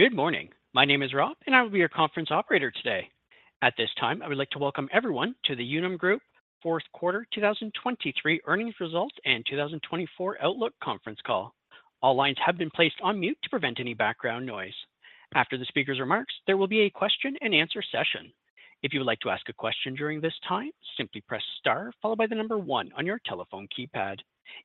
Good morning. My name is Rob, and I will be your conference operator today. At this time, I would like to welcome everyone to the Unum Group Fourth Quarter 2023 Earnings Results and 2024 Outlook Conference Call. All lines have been placed on mute to prevent any background noise. After the speaker's remarks, there will be a question-and-answer session. If you would like to ask a question during this time, simply press star followed by the number one on your telephone keypad.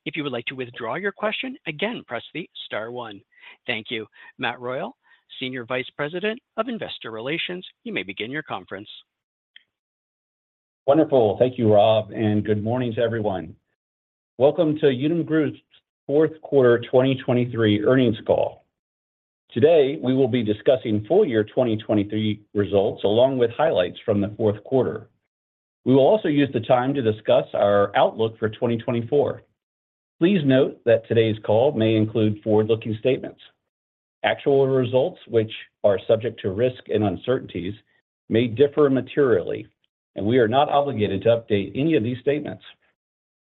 If you would like to withdraw your question, again, press the star one. Thank you. Matt Royal, Senior Vice President of Investor Relations, you may begin your conference. Wonderful. Thank you, Rob, and good morning to everyone. Welcome to Unum Group's Fourth Quarter 2023 Earnings Call. Today, we will be discussing full year 2023 results, along with highlights from the fourth quarter. We will also use the time to discuss our outlook for 2024. Please note that today's call may include forward-looking statements. Actual results, which are subject to risk and uncertainties, may differ materially, and we are not obligated to update any of these statements.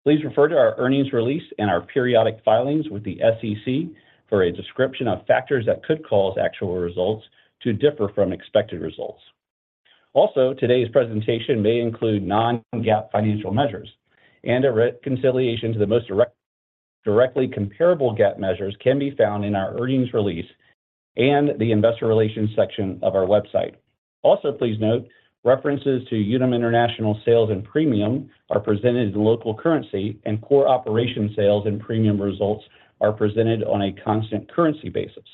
Please refer to our earnings release and our periodic filings with the SEC for a description of factors that could cause actual results to differ from expected results. Also, today's presentation may include non-GAAP financial measures, and a reconciliation to the most directly comparable GAAP measures can be found in our earnings release and the investor relations section of our website. Also, please note, references to Unum International sales and premium are presented in local currency, and core operation sales and premium results are presented on a constant currency basis.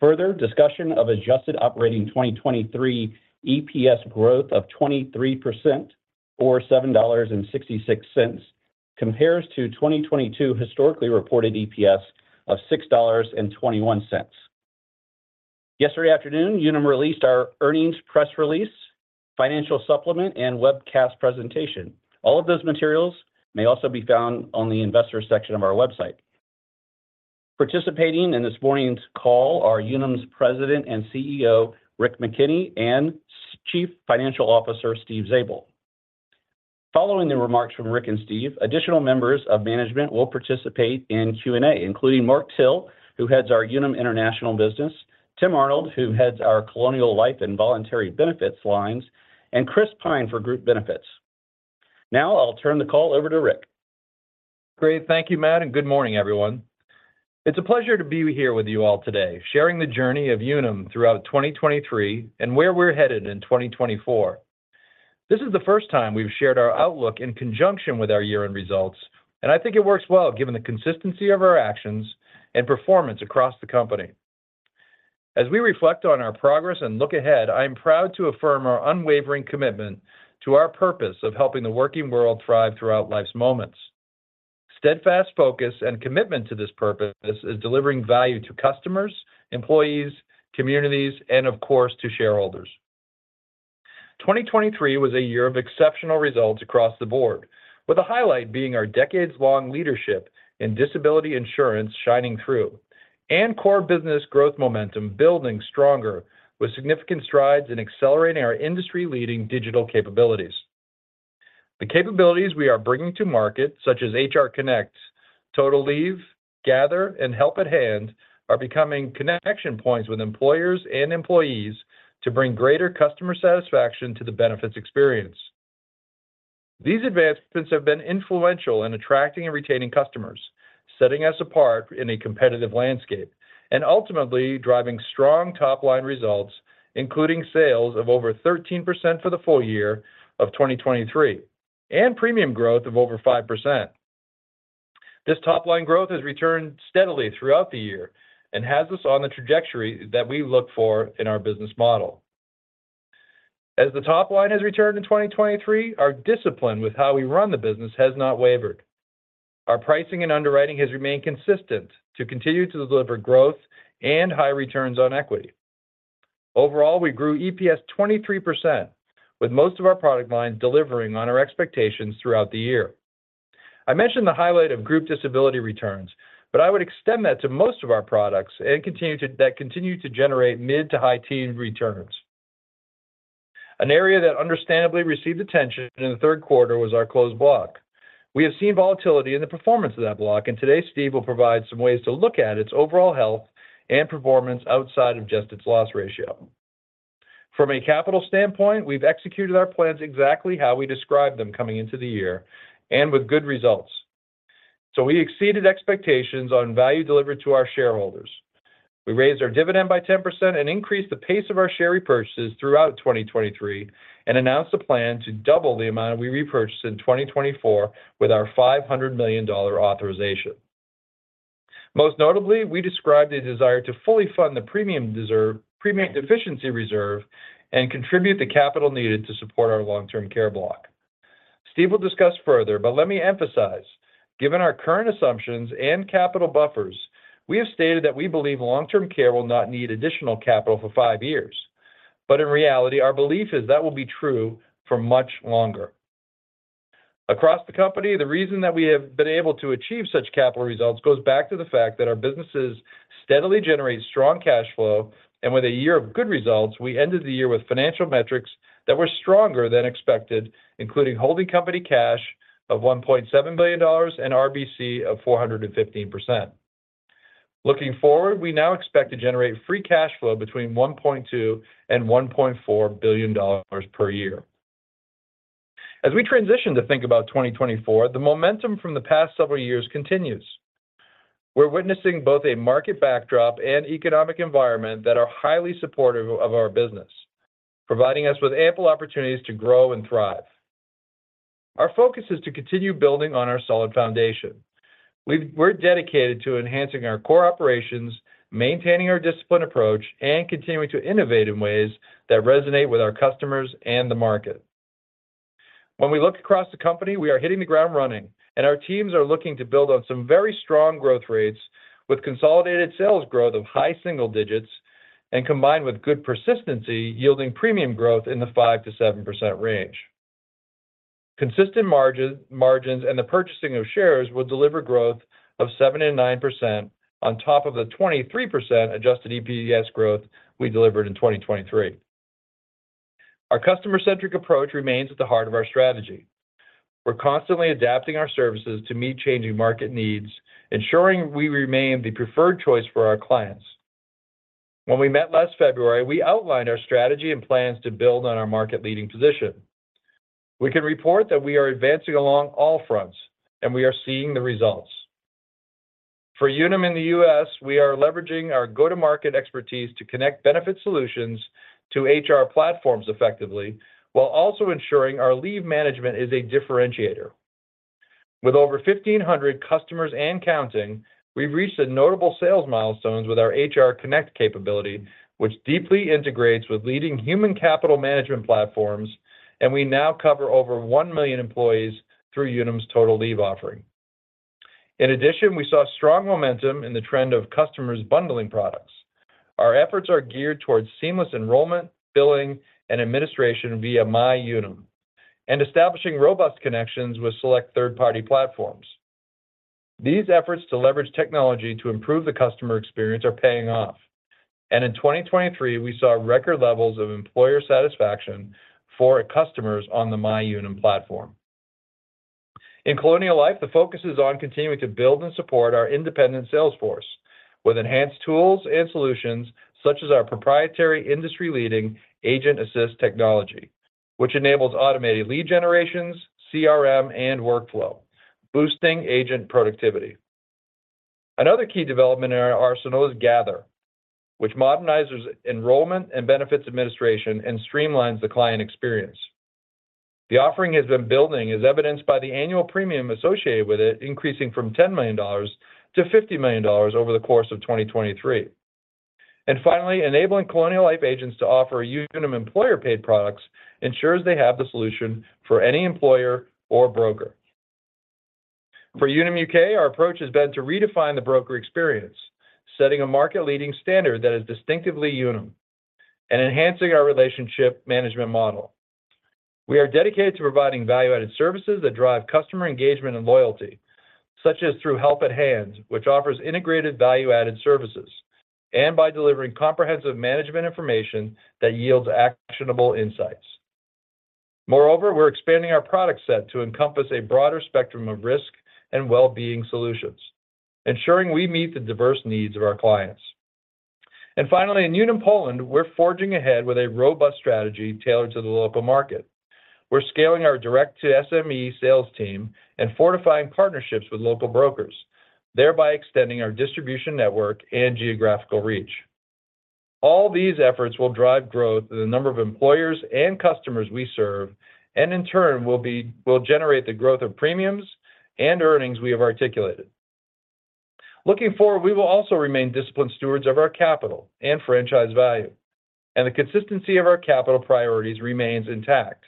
Further, discussion of adjusted operating 2023 EPS growth of 23% or $7.66 compares to 2022 historically reported EPS of $6.21. Yesterday afternoon, Unum released our earnings press release, financial supplement, and webcast presentation. All of those materials may also be found on the investor section of our website. Participating in this morning's call are Unum's President and CEO, Rick McKenney, and Steve, Chief Financial Officer, Steve Zabel. Following the remarks from Rick and Steve, additional members of management will participate in Q&A, including Mark Till, who heads our Unum International business, Tim Arnold, who heads our Colonial Life and Voluntary Benefits lines, and Chris Pyne for Group Benefits. Now, I'll turn the call over to Rick. Great. Thank you, Matt, and good morning, everyone. It's a pleasure to be here with you all today, sharing the journey of Unum throughout 2023 and where we're headed in 2024. This is the first time we've shared our outlook in conjunction with our year-end results, and I think it works well given the consistency of our actions and performance across the company. As we reflect on our progress and look ahead, I am proud to affirm our unwavering commitment to our purpose of helping the working world thrive throughout life's moments. Steadfast focus and commitment to this purpose is delivering value to customers, employees, communities, and of course, to shareholders. 2023 was a year of exceptional results across the board, with the highlight being our decades-long leadership in disability insurance shining through, and core business growth momentum building stronger with significant strides in accelerating our industry-leading digital capabilities. The capabilities we are bringing to market, such as HR Connect, Total Leave, Gather, and Help at Hand, are becoming connection points with employers and employees to bring greater customer satisfaction to the benefits experience. These advancements have been influential in attracting and retaining customers, setting us apart in a competitive landscape and ultimately driving strong top-line results, including sales of over 13% for the full year of 2023 and premium growth of over 5%. This top-line growth has returned steadily throughout the year and has us on the trajectory that we look for in our business model. As the top line has returned in 2023, our discipline with how we run the business has not wavered. Our pricing and underwriting has remained consistent to continue to deliver growth and high returns on equity. Overall, we grew EPS 23%, with most of our product lines delivering on our expectations throughout the year. I mentioned the highlight of group disability returns, but I would extend that to most of our products and continue to generate mid- to high-teens returns. An area that understandably received attention in the third quarter was our closed block. We have seen volatility in the performance of that block, and today, Steve will provide some ways to look at its overall health and performance outside of just its loss ratio. From a capital standpoint, we've executed our plans exactly how we described them coming into the year and with good results. So we exceeded expectations on value delivered to our shareholders. We raised our dividend by 10% and increased the pace of our share repurchases throughout 2023 and announced a plan to double the amount we repurchased in 2024 with our $500 million authorization. Most notably, we described a desire to fully fund the premium deficiency reserve and contribute the capital needed to support our long-term care block. Steve will discuss further, but let me emphasize, given our current assumptions and capital buffers, we have stated that we believe long-term care will not need additional capital for five years. But in reality, our belief is that will be true for much longer. Across the company, the reason that we have been able to achieve such capital results goes back to the fact that our businesses steadily generate strong cash flow, and with a year of good results, we ended the year with financial metrics that were stronger than expected, including holding company cash of $1.7 billion and RBC of 415%. Looking forward, we now expect to generate free cash flow between $1.2 billion and $1.4 billion per year. As we transition to think about 2024, the momentum from the past several years continues. We're witnessing both a market backdrop and economic environment that are highly supportive of our business, providing us with ample opportunities to grow and thrive. Our focus is to continue building on our solid foundation. We're dedicated to enhancing our core operations, maintaining our disciplined approach, and continuing to innovate in ways that resonate with our customers and the market. When we look across the company, we are hitting the ground running, and our teams are looking to build on some very strong growth rates with consolidated sales growth of high single digits and combined with good persistency, yielding premium growth in the 5%-7% range. Consistent margins, and the purchasing of shares will deliver growth of 7%-9% on top of the 23% adjusted EPS growth we delivered in 2023. Our customer-centric approach remains at the heart of our strategy. We're constantly adapting our services to meet changing market needs, ensuring we remain the preferred choice for our clients. When we met last February, we outlined our strategy and plans to build on our market-leading position. We can report that we are advancing along all fronts, and we are seeing the results. For Unum in the U.S., we are leveraging our go-to-market expertise to connect benefit solutions to HR platforms effectively, while also ensuring our leave management is a differentiator. With over 1,500 customers and counting, we've reached the notable sales milestones with our HR Connect capability, which deeply integrates with leading human capital management platforms, and we now cover over 1 million employees through Unum's Total Leave offering. In addition, we saw strong momentum in the trend of customers bundling products. Our efforts are geared towards seamless enrollment, billing, and administration via MyUnum, and establishing robust connections with select third-party platforms. These efforts to leverage technology to improve the customer experience are paying off, and in 2023, we saw record levels of employer satisfaction for customers on the MyUnum platform. In Colonial Life, the focus is on continuing to build and support our independent sales force with enhanced tools and solutions such as our proprietary industry-leading Agent Assist technology, which enables automated lead generations, CRM, and workflow, boosting agent productivity. Another key development in our arsenal is Gather, which modernizes enrollment and benefits administration and streamlines the client experience. The offering has been building, as evidenced by the annual premium associated with it, increasing from $10 million to $50 million over the course of 2023. And finally, enabling Colonial Life agents to offer Unum employer-paid products ensures they have the solution for any employer or broker. For Unum U.K., our approach has been to redefine the broker experience, setting a market-leading standard that is distinctively Unum and enhancing our relationship management model. We are dedicated to providing value-added services that drive customer engagement and loyalty, such as through Help at Hand, which offers integrated value-added services, and by delivering comprehensive management information that yields actionable insights. Moreover, we're expanding our product set to encompass a broader spectrum of risk and well-being solutions, ensuring we meet the diverse needs of our clients. And finally, in Unum Poland, we're forging ahead with a robust strategy tailored to the local market. We're scaling our direct to SME sales team and fortifying partnerships with local brokers, thereby extending our distribution network and geographical reach. All these efforts will drive growth in the number of employers and customers we serve, and in turn, will generate the growth of premiums and earnings we have articulated. Looking forward, we will also remain disciplined stewards of our capital and franchise value, and the consistency of our capital priorities remains intact.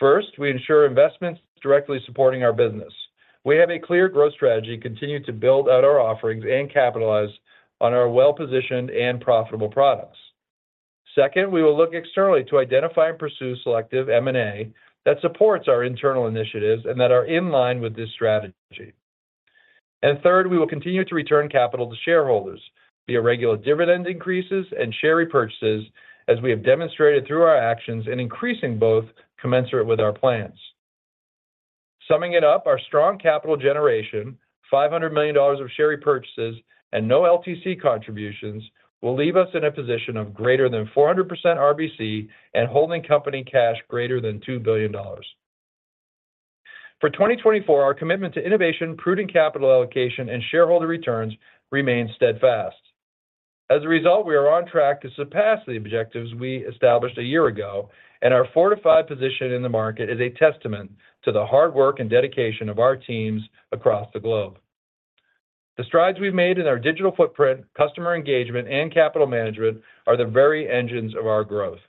First, we ensure investments directly supporting our business. We have a clear growth strategy, continue to build out our offerings, and capitalize on our well-positioned and profitable products. Second, we will look externally to identify and pursue selective M&A that supports our internal initiatives and that are in line with this strategy. And third, we will continue to return capital to shareholders via regular dividend increases and share repurchases, as we have demonstrated through our actions in increasing both commensurate with our plans. Summing it up, our strong capital generation, $500 million of share repurchases, and no LTC contributions, will leave us in a position of greater than 400% RBC and holding company cash greater than $2 billion. For 2024, our commitment to innovation, prudent capital allocation, and shareholder returns remains steadfast. As a result, we are on track to surpass the objectives we established a year ago, and our fortified position in the market is a testament to the hard work and dedication of our teams across the globe. The strides we've made in our digital footprint, customer engagement, and capital management are the very engines of our growth.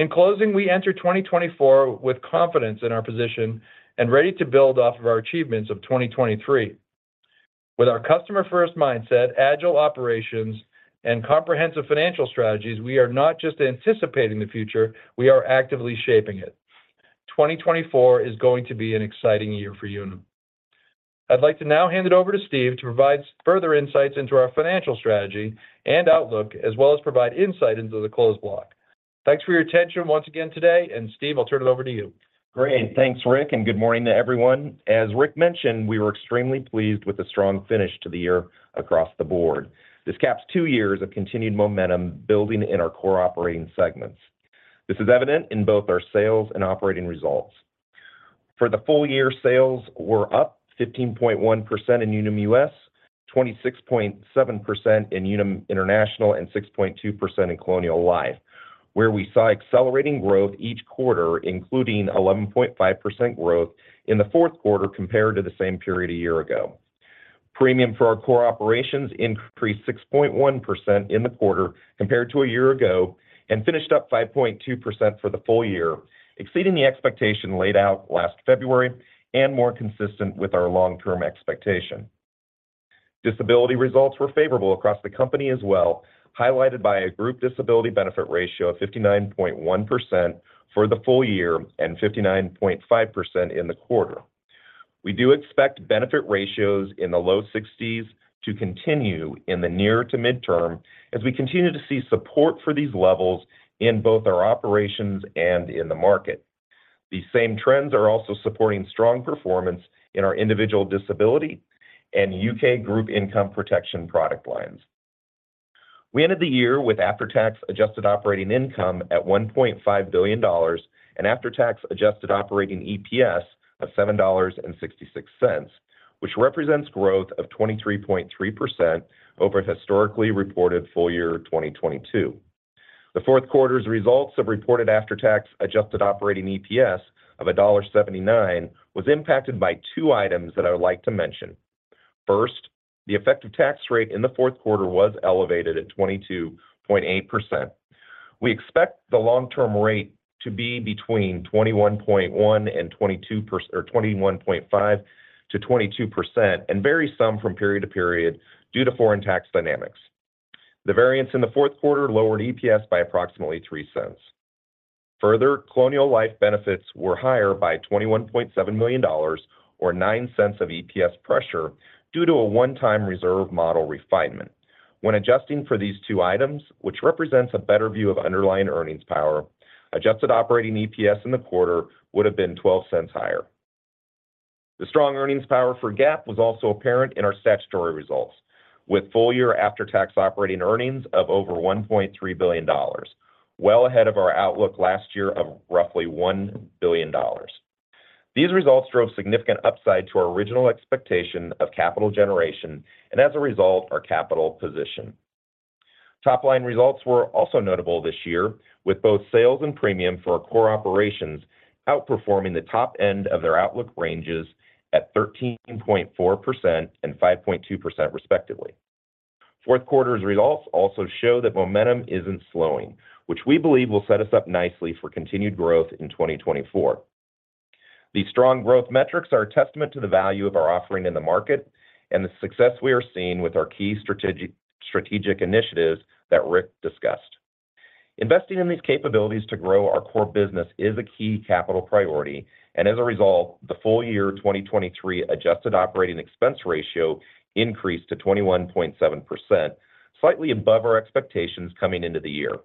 In closing, we enter 2024 with confidence in our position and ready to build off of our achievements of 2023. With our customer-first mindset, agile operations, and comprehensive financial strategies, we are not just anticipating the future, we are actively shaping it. 2024 is going to be an exciting year for Unum. I'd like to now hand it over to Steve to provide further insights into our financial strategy and outlook, as well as provide insight into the Closed Block. Thanks for your attention once again today, and Steve, I'll turn it over to you. Great. Thanks, Rick, and good morning to everyone. As Rick mentioned, we were extremely pleased with the strong finish to the year across the board. This caps two years of continued momentum building in our core operating segments. This is evident in both our sales and operating results. For the full year, sales were up 15.1% in Unum U.S., 26.7% in Unum International, and 6.2% in Colonial Life, where we saw accelerating growth each quarter, including 11.5% growth in the fourth quarter compared to the same period a year ago. Premium for our core operations increased 6.1% in the quarter compared to a year ago and finished up 5.2% for the full year, exceeding the expectation laid out last February and more consistent with our long-term expectation. Disability results were favorable across the company as well, highlighted by a group disability benefit ratio of 59.1% for the full year and 59.5% in the quarter. We do expect benefit ratios in the low 60s to continue in the near to midterm as we continue to see support for these levels in both our operations and in the market. These same trends are also supporting strong performance in our individual disability and U.K. Group Income Protection product lines. We ended the year with after-tax adjusted operating income at $1.5 billion and after-tax adjusted operating EPS of $7.66, which represents growth of 23.3% over historically reported full year 2022. The fourth quarter's results of reported after-tax adjusted operating EPS of $1.79 was impacted by two items that I would like to mention. First, the effective tax rate in the fourth quarter was elevated at 22.8%. We expect the long-term rate to be between 21.1% and 22%. Or 21.5%-22%, and vary some from period to period due to foreign tax dynamics. The variance in the fourth quarter lowered EPS by approximately $0.03. Further, Colonial Life benefits were higher by $21.7 million or $0.09 of EPS pressure due to a one-time reserve model refinement. When adjusting for these two items, which represents a better view of underlying earnings power, adjusted operating EPS in the quarter would have been $0.12 higher. The strong earnings power for GAAP was also apparent in our statutory results, with full-year after-tax operating earnings of over $1.3 billion, well ahead of our outlook last year of roughly $1 billion. These results drove significant upside to our original expectation of capital generation and, as a result, our capital position. Top-line results were also notable this year, with both sales and premium for our core operations outperforming the top end of their outlook ranges at 13.4% and 5.2% respectively. Fourth quarter's results also show that momentum isn't slowing, which we believe will set us up nicely for continued growth in 2024. These strong growth metrics are a testament to the value of our offering in the market and the success we are seeing with our key strategic initiatives that Rick discussed. Investing in these capabilities to grow our core business is a key capital priority, and as a result, the full year 2023 adjusted operating expense ratio increased to 21.7%, slightly above our expectations coming into the year.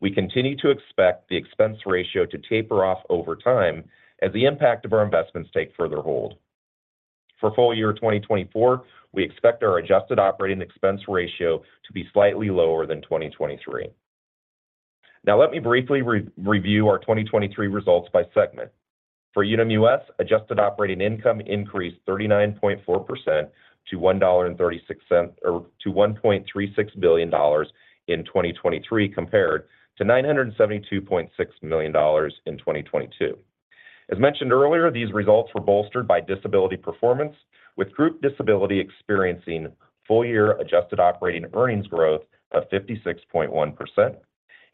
We continue to expect the expense ratio to taper off over time as the impact of our investments take further hold. For full year 2024, we expect our adjusted operating expense ratio to be slightly lower than 2023. Now, let me briefly review our 2023 results by segment. For Unum U.S., adjusted operating income increased 39.4% to $1.36, or to $1.36 billion in 2023, compared to $972.6 million in 2022. As mentioned earlier, these results were bolstered by disability performance, with group disability experiencing full-year adjusted operating earnings growth of 56.1%,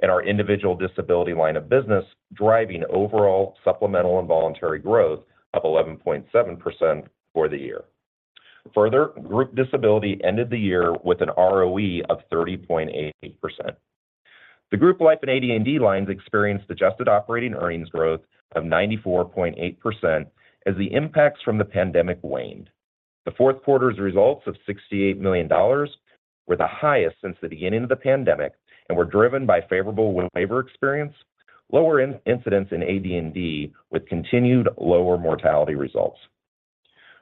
and our individual disability line of business driving overall supplemental and voluntary growth of 11.7% for the year. Further, group disability ended the year with an ROE of 30.8%. The Group Life and AD&D lines experienced adjusted operating earnings growth of 94.8% as the impacts from the pandemic waned. The fourth quarter's results of $68 million were the highest since the beginning of the pandemic and were driven by favorable waiver experience, lower incidence in AD&D, with continued lower mortality results.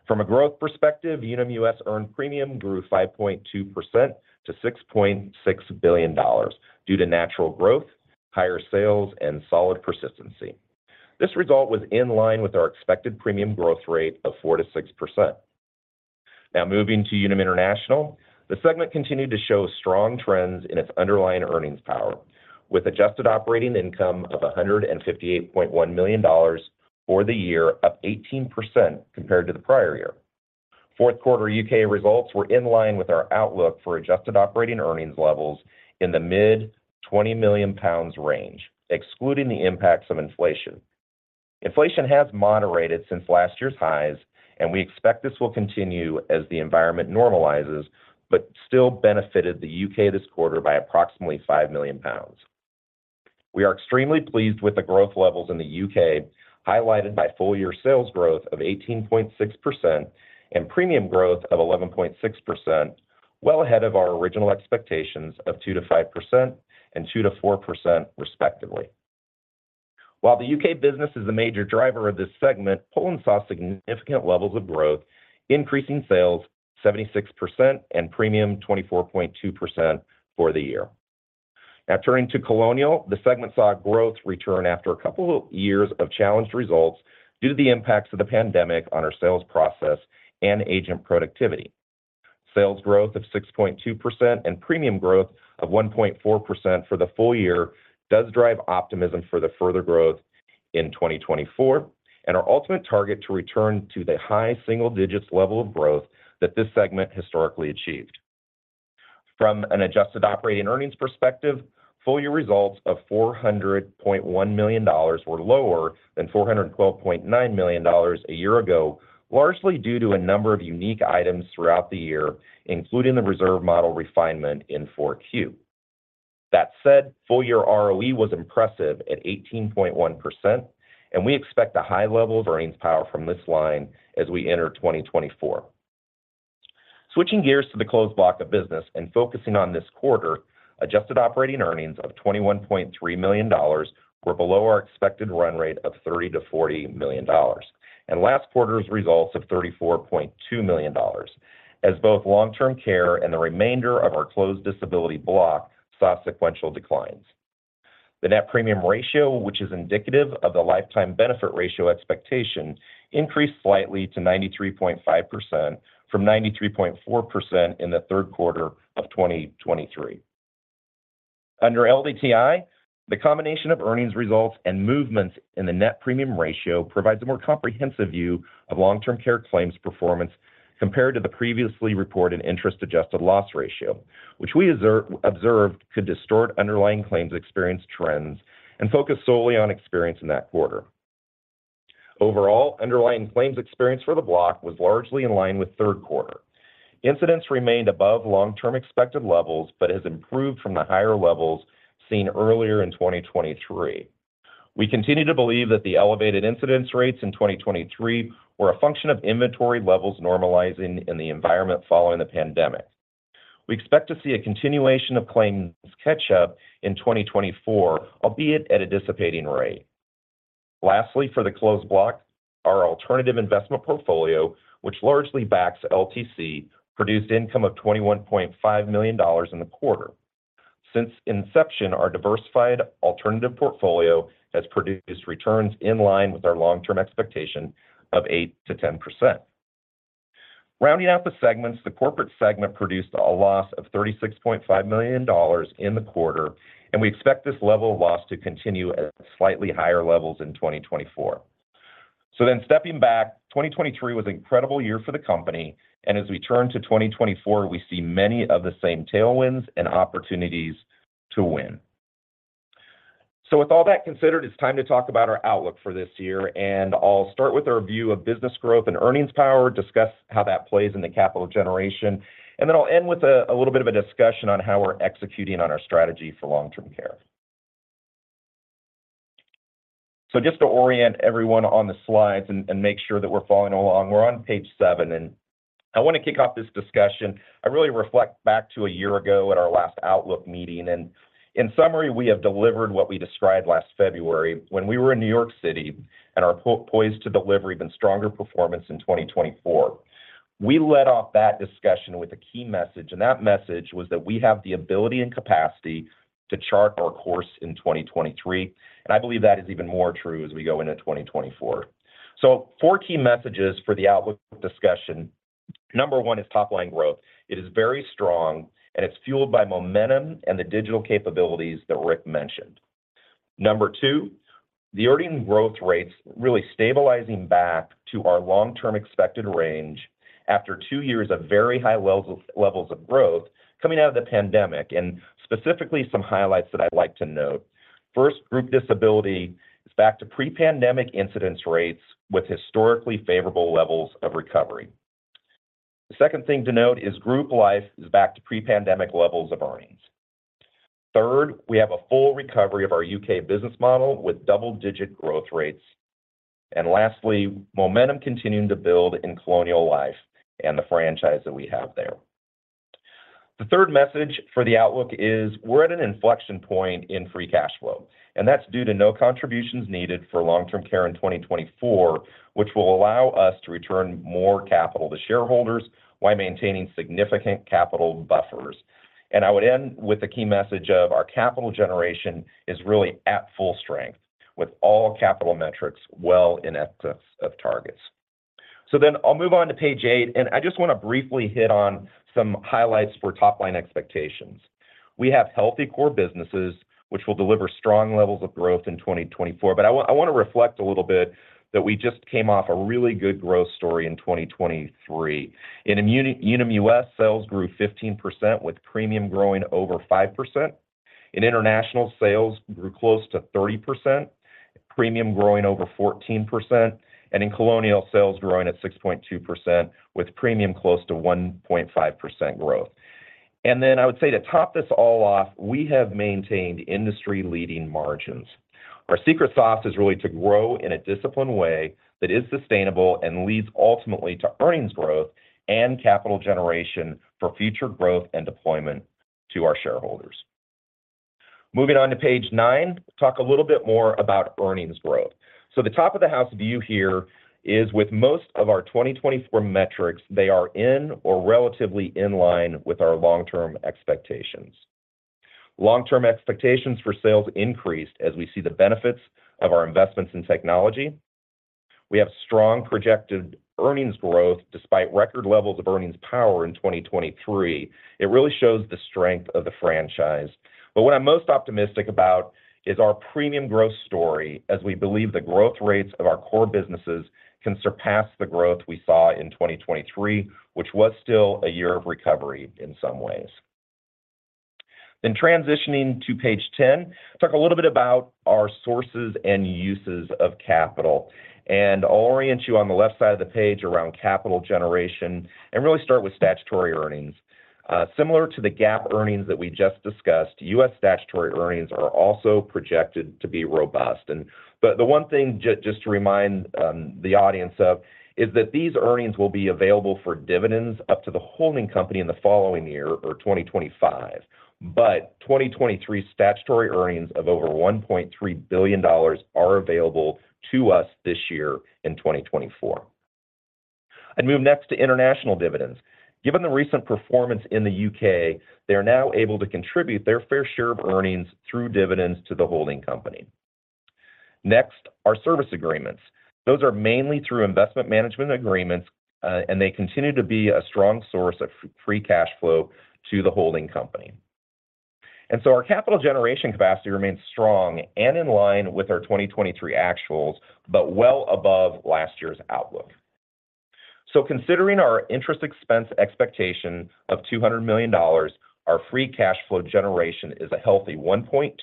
From a growth perspective, Unum U.S. earned premium grew 5.2% to $6.6 billion due to natural growth, higher sales, and solid persistency. This result was in line with our expected premium growth rate of 4%-6%. Now, moving to Unum International, the segment continued to show strong trends in its underlying earnings power, with adjusted operating income of $158.1 million for the year, up 18% compared to the prior year. Fourth quarter U.K. results were in line with our outlook for adjusted operating earnings levels in the mid-20 million GBP range, excluding the impacts of inflation. Inflation has moderated since last year's highs, and we expect this will continue as the environment normalizes, but still benefited the U.K. this quarter by approximately 5 million pounds. We are extremely pleased with the growth levels in the U.K., highlighted by full-year sales growth of 18.6% and premium growth of 11.6%, well ahead of our original expectations of 2%-5% and 2%-4% respectively. While the U.K. business is a major driver of this segment, Poland saw significant levels of growth, increasing sales 76% and premium 24.2% for the year. Now, turning to Colonial, the segment saw growth return after a couple of years of challenged results due to the impacts of the pandemic on our sales process and agent productivity. Sales growth of 6.2% and premium growth of 1.4% for the full year does drive optimism for the further growth in 2024, and our ultimate target to return to the high single digits level of growth that this segment historically achieved. From an adjusted operating earnings perspective, full year results of $400.1 million were lower than $412.9 million a year ago, largely due to a number of unique items throughout the year, including the reserve model refinement in 4Q. That said, full year ROE was impressive at 18.1%, and we expect a high level of earnings power from this line as we enter 2024. Switching gears to the Closed Block of business and focusing on this quarter, adjusted operating earnings of $21.3 million were below our expected run rate of $30 million-$40 million. Last quarter's results of $34.2 million, as both long-term care and the remainder of our closed disability block saw sequential declines. The net premium ratio, which is indicative of the lifetime benefit ratio expectation, increased slightly to 93.5% from 93.4% in the third quarter of 2023. Under LDTI, the combination of earnings results and movements in the net premium ratio provides a more comprehensive view of long-term care claims performance compared to the previously reported interest-adjusted loss ratio, which we observed could distort underlying claims experience trends and focus solely on experience in that quarter. Overall, underlying claims experience for the block was largely in line with third quarter. Incidence remained above long-term expected levels, but has improved from the higher levels seen earlier in 2023. We continue to believe that the elevated incidence rates in 2023 were a function of inventory levels normalizing in the environment following the pandemic. We expect to see a continuation of claims catch up in 2024, albeit at a dissipating rate. Lastly, for the closed block, our alternative investment portfolio, which largely backs LTC, produced income of $21.5 million in the quarter. Since inception, our diversified alternative portfolio has produced returns in line with our long-term expectation of 8%-10%. Rounding out the segments, the corporate segment produced a loss of $36.5 million in the quarter, and we expect this level of loss to continue at slightly higher levels in 2024. So then stepping back, 2023 was an incredible year for the company, and as we turn to 2024, we see many of the same tailwinds and opportunities to win. So with all that considered, it's time to talk about our outlook for this year, and I'll start with our view of business growth and earnings power, discuss how that plays in the capital generation, and then I'll end with a little bit of a discussion on how we're executing on our strategy for long-term care. So just to orient everyone on the slides and make sure that we're following along, we're on page seven, and I want to kick off this discussion. I really reflect back to a year ago at our last outlook meeting, and in summary, we have delivered what we described last February when we were in New York City and are poised to deliver even stronger performance in 2024. We led off that discussion with a key message, and that message was that we have the ability and capacity to chart our course in 2023, and I believe that is even more true as we go into 2024. So four key messages for the outlook discussion. Number one is top line growth. It is very strong, and it's fueled by momentum and the digital capabilities that Rick mentioned. Number two, the earnings growth rates really stabilizing back to our long-term expected range after two years of very high levels, levels of growth coming out of the pandemic, and specifically some highlights that I'd like to note. First, Group Disability is back to pre-pandemic incidence rates with historically favorable levels of recovery. The second thing to note is Group Life is back to pre-pandemic levels of earnings. Third, we have a full recovery of our U.K. business model with double-digit growth rates. And lastly, momentum continuing to build in Colonial Life and the franchise that we have there. The third message for the outlook is we're at an inflection point in free cash flow, and that's due to no contributions needed for long-term care in 2024, which will allow us to return more capital to shareholders while maintaining significant capital buffers. I would end with the key message of our capital generation is really at full strength, with all capital metrics well in excess of targets. So then I'll move on to page eight, and I just want to briefly hit on some highlights for top-line expectations. We have healthy core businesses, which will deliver strong levels of growth in 2024. But I want, I want to reflect a little bit that we just came off a really good growth story in 2023. In Unum, Unum U.S., sales grew 15%, with premium growing over 5%. In international, sales grew close to 30% premium growing over 14%, and in Colonial, sales growing at 6.2%, with premium close to 1.5% growth. And then I would say to top this all off, we have maintained industry-leading margins. Our secret sauce is really to grow in a disciplined way that is sustainable and leads ultimately to earnings growth and capital generation for future growth and deployment to our shareholders. Moving on to page nine, talk a little bit more about earnings growth. So the top of the house view here is with most of our 2024 metrics, they are in or relatively in line with our long-term expectations. Long-term expectations for sales increased as we see the benefits of our investments in technology. We have strong projected earnings growth despite record levels of earnings power in 2023. It really shows the strength of the franchise. But what I'm most optimistic about is our premium growth story, as we believe the growth rates of our core businesses can surpass the growth we saw in 2023, which was still a year of recovery in some ways. Then transitioning to page ten, talk a little bit about our sources and uses of capital, and I'll orient you on the left side of the page around capital generation and really start with statutory earnings. Similar to the GAAP earnings that we just discussed, U.S. statutory earnings are also projected to be robust. But the one thing just to remind the audience of is that these earnings will be available for dividends up to the holding company in the following year or 2025. But 2023 statutory earnings of over $1.3 billion are available to us this year in 2024. I'd move next to international dividends. Given the recent performance in the U.K., they are now able to contribute their fair share of earnings through dividends to the holding company. Next, our service agreements. Those are mainly through investment management agreements, and they continue to be a strong source of free cash flow to the holding company. And so our capital generation capacity remains strong and in line with our 2023 actuals, but well above last year's outlook. So considering our interest expense expectation of $200 million, our free cash flow generation is a healthy $1.2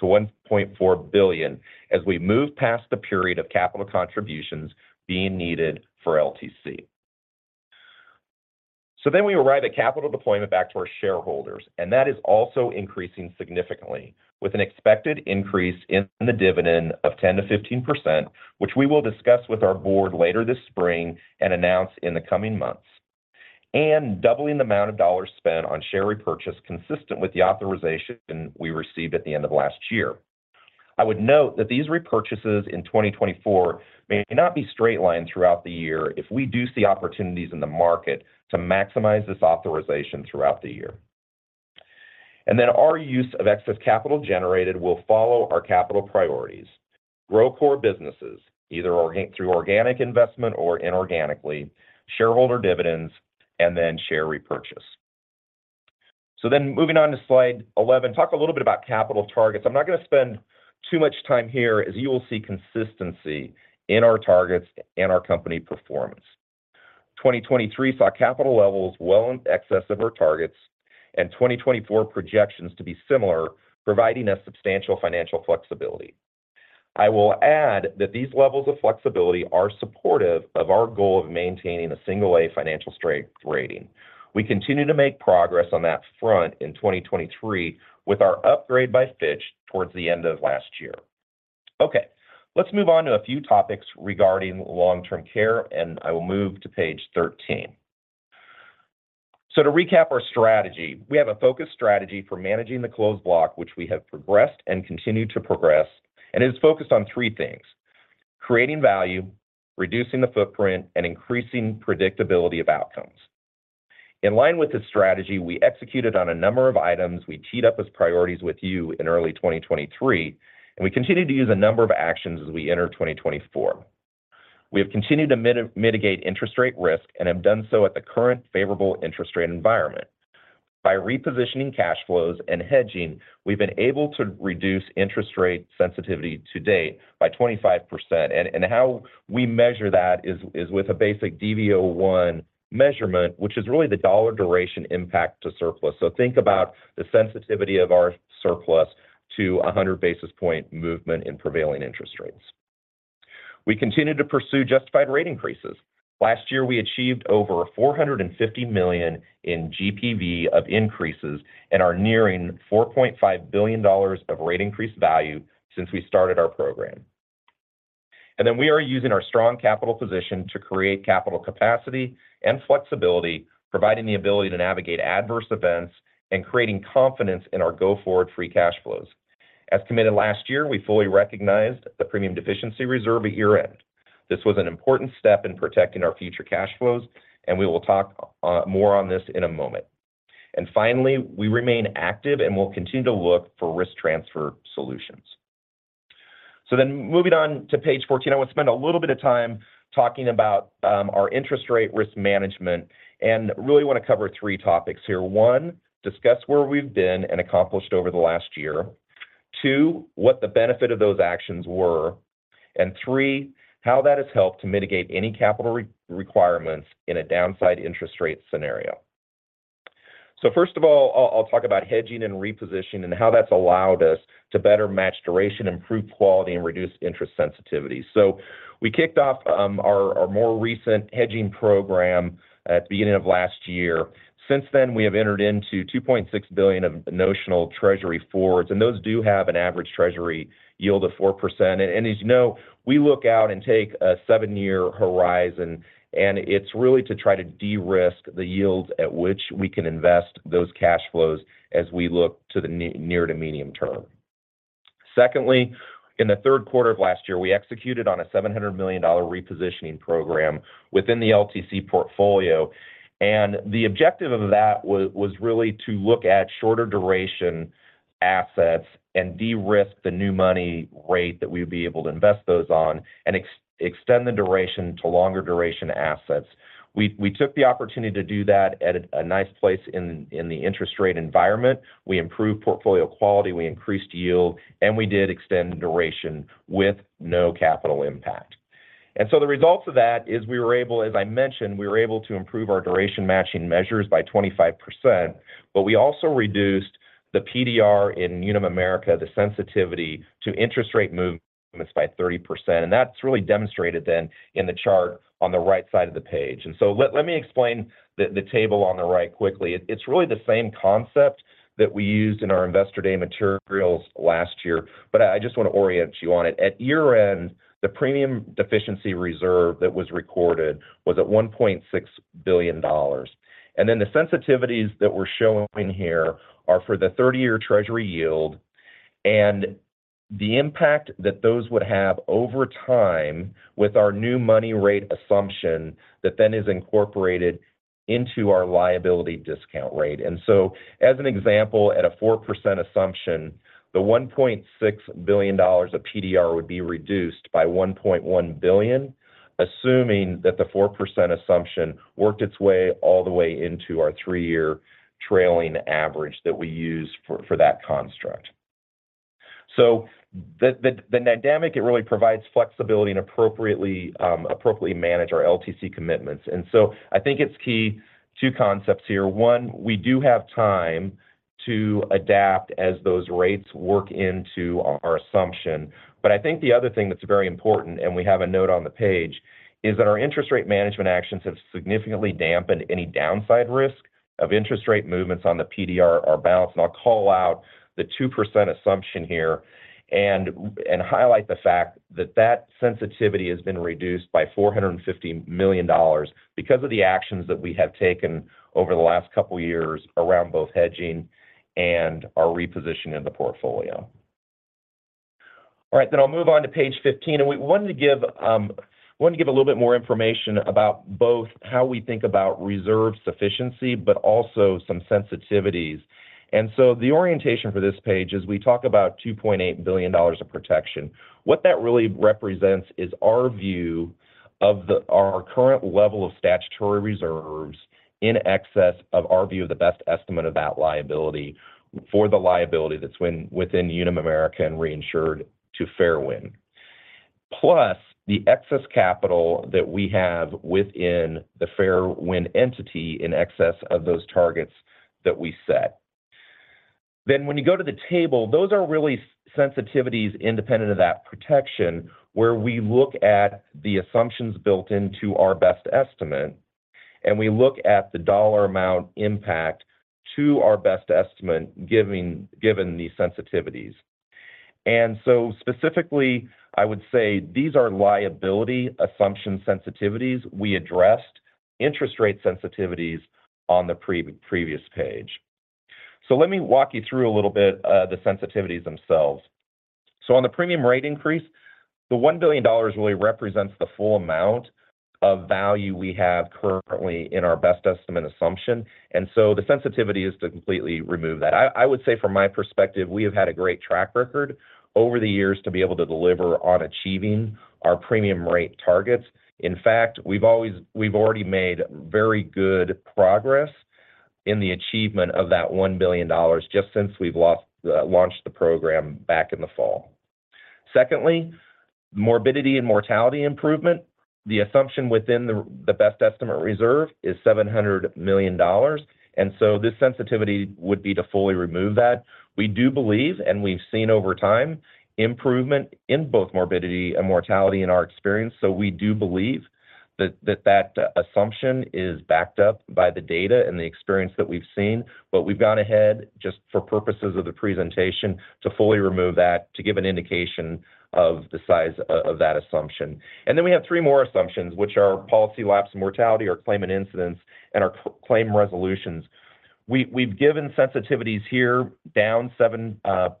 billion-$1.4 billion as we move past the period of capital contributions being needed for LTC. So then we arrive at capital deployment back to our shareholders, and that is also increasing significantly, with an expected increase in the dividend of 10%-15%, which we will discuss with our board later this spring and announce in the coming months. And doubling the amount of dollars spent on share repurchase, consistent with the authorization we received at the end of last year. I would note that these repurchases in 2024 may not be straight-lined throughout the year if we do see opportunities in the market to maximize this authorization throughout the year. And then our use of excess capital generated will follow our capital priorities: grow core businesses, either organic through organic investment or inorganically, shareholder dividends, and then share repurchase. So then moving on to slide 11, talk a little bit about capital targets. I'm not going to spend too much time here, as you will see consistency in our targets and our company performance. 2023 saw capital levels well in excess of our targets, and 2024 projections to be similar, providing us substantial financial flexibility. I will add that these levels of flexibility are supportive of our goal of maintaining a single A financial strength rating. We continue to make progress on that front in 2023, with our upgrade by Fitch towards the end of last year. Okay, let's move on to a few topics regarding long-term care, and I will move to page 13. So to recap our strategy, we have a focused strategy for managing the closed block, which we have progressed and continue to progress, and it is focused on three things: creating value, reducing the footprint, and increasing predictability of outcomes. In line with this strategy, we executed on a number of items we teed up as priorities with you in early 2023, and we continue to use a number of actions as we enter 2024. We have continued to mitigate interest rate risk and have done so at the current favorable interest rate environment. By repositioning cash flows and hedging, we've been able to reduce interest rate sensitivity to date by 25%, and how we measure that is with a basic DV01 measurement, which is really the dollar duration impact to surplus. So think about the sensitivity of our surplus to a 100 basis point movement in prevailing interest rates. We continue to pursue justified rate increases. Last year, we achieved over $450 million in GPV of increases and are nearing $4.5 billion of rate increase value since we started our program. Then we are using our strong capital position to create capital capacity and flexibility, providing the ability to navigate adverse events and creating confidence in our go-forward free cash flows. As committed last year, we fully recognized the premium deficiency reserve at year-end. This was an important step in protecting our future cash flows, and we will talk more on this in a moment. And finally, we remain active and will continue to look for risk transfer solutions. So then moving on to page 14, I want to spend a little bit of time talking about our interest rate risk management and really want to cover three topics here. One, discuss where we've been and accomplished over the last year. Two, what the benefit of those actions were. And three, how that has helped to mitigate any capital requirements in a downside interest rate scenario. So first of all, I'll talk about hedging and repositioning, and how that's allowed us to better match duration, improve quality, and reduce interest sensitivity. So we kicked off our more recent hedging program at the beginning of last year. Since then, we have entered into $2.6 billion of Notional Treasury forwards, and those do have an average Treasury yield of 4%. As you know, we look out and take a seven-year horizon, and it's really to try to de-risk the yields at which we can invest those cash flows as we look to the near- to medium-term. Secondly, in the third quarter of last year, we executed on a $700 million repositioning program within the LTC portfolio, and the objective of that was really to look at shorter duration assets and de-risk the new money rate that we would be able to invest those on and extend the duration to longer duration assets. We took the opportunity to do that at a nice place in the interest rate environment. We improved portfolio quality, we increased yield, and we did extend duration with no capital impact. And so the results of that is we were able to improve our duration matching measures by 25%, as I mentioned, but we also reduced the PDR in Unum America, the sensitivity to interest rate movements by 30%, and that's really demonstrated in the chart on the right side of the page. And so let me explain the table on the right quickly. It's really the same concept that we used in our Investor Day materials last year, but I just want to orient you on it. At year-end, the premium deficiency reserve that was recorded was at $1.6 billion, and then the sensitivities that we're showing here are for the 30-year Treasury yield and the impact that those would have over time with our new money rate assumption that then is incorporated into our liability discount rate. As an example, at a 4% assumption, the $1.6 billion of PDR would be reduced by $1.1 billion, assuming that the 4% assumption worked its way all the way into our three-year trailing average that we use for that construct. The dynamic really provides flexibility and appropriately, appropriately manage our LTC commitments. I think it's key two concepts here: one, we do have time to adapt as those rates work into our assumption. But I think the other thing that's very important, and we have a note on the page, is that our interest rate management actions have significantly dampened any downside risk of interest rate movements on the PDR, our balance. And I'll call out the 2% assumption here and highlight the fact that that sensitivity has been reduced by $450 million because of the actions that we have taken over the last couple of years around both hedging and our repositioning of the portfolio. All right, then I'll move on to page 15, and we wanted to give a little bit more information about both how we think about reserve sufficiency, but also some sensitivities. And so the orientation for this page is we talk about $2.8 billion of protection. What that really represents is our view of the, our current level of statutory reserves in excess of our view of the best estimate of that liability, for the liability that's within Unum America and reinsured to FairWind, plus the excess capital that we have within the FairWind entity in excess of those targets that we set. Then when you go to the table, those are really sensitivities independent of that protection, where we look at the assumptions built into our best estimate, and we look at the dollar amount impact to our best estimate, given these sensitivities. And so specifically, I would say these are liability assumption sensitivities. We addressed interest rate sensitivities on the previous page. So let me walk you through a little bit, the sensitivities themselves. So on the premium rate increase, the $1 billion really represents the full amount of value we have currently in our best estimate assumption, and so the sensitivity is to completely remove that. I, I would say from my perspective, we have had a great track record over the years to be able to deliver on achieving our premium rate targets. In fact, we've already made very good progress in the achievement of that $1 billion just since we last launched the program back in the fall. Secondly, morbidity and mortality improvement. The assumption within the best estimate reserve is $700 million, and so this sensitivity would be to fully remove that. We do believe, and we've seen over time, improvement in both morbidity and mortality in our experience, so we do believe that assumption is backed up by the data and the experience that we've seen. But we've gone ahead, just for purposes of the presentation, to fully remove that, to give an indication of the size of that assumption. And then we have three more assumptions, which are policy lapse and mortality, our claimant incidence, and our claim resolutions. We've given sensitivities here down 7.5%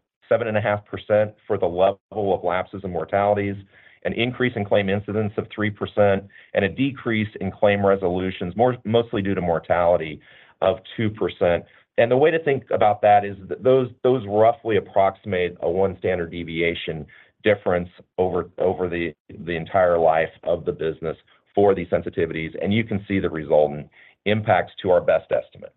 for the level of lapses and mortalities, an increase in claim incidence of 3%, and a decrease in claim resolutions, mostly due to mortality, of 2%. The way to think about that is those roughly approximate a one standard deviation difference over the entire life of the business for these sensitivities, and you can see the resultant impacts to our best estimate.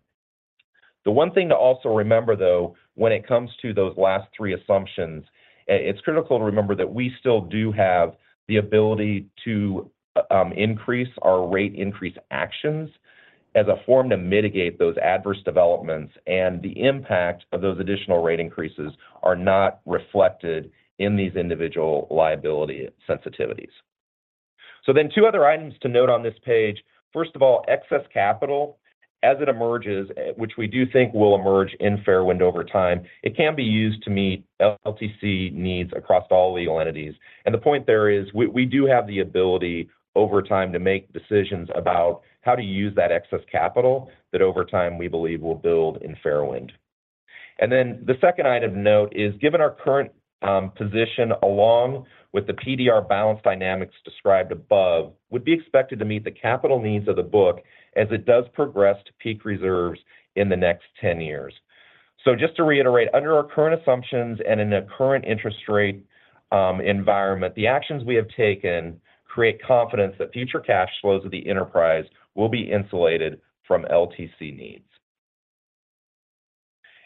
The one thing to also remember, though, when it comes to those last three assumptions, it's critical to remember that we still do have the ability to increase our rate increase actions as a form to mitigate those adverse developments, and the impact of those additional rate increases are not reflected in these individual liability sensitivities. Then two other items to note on this page. First of all, excess capital as it emerges, which we do think will emerge in FairWind over time, it can be used to meet LTC needs across all legal entities. The point there is we, we do have the ability over time to make decisions about how to use that excess capital, that over time we believe will build in FairWind. Then the second item of note is, given our current position, along with the PDR balance dynamics described above, would be expected to meet the capital needs of the book as it does progress to peak reserves in the next ten years. So just to reiterate, under our current assumptions and in the current interest rate environment, the actions we have taken create confidence that future cash flows of the enterprise will be insulated from LTC needs.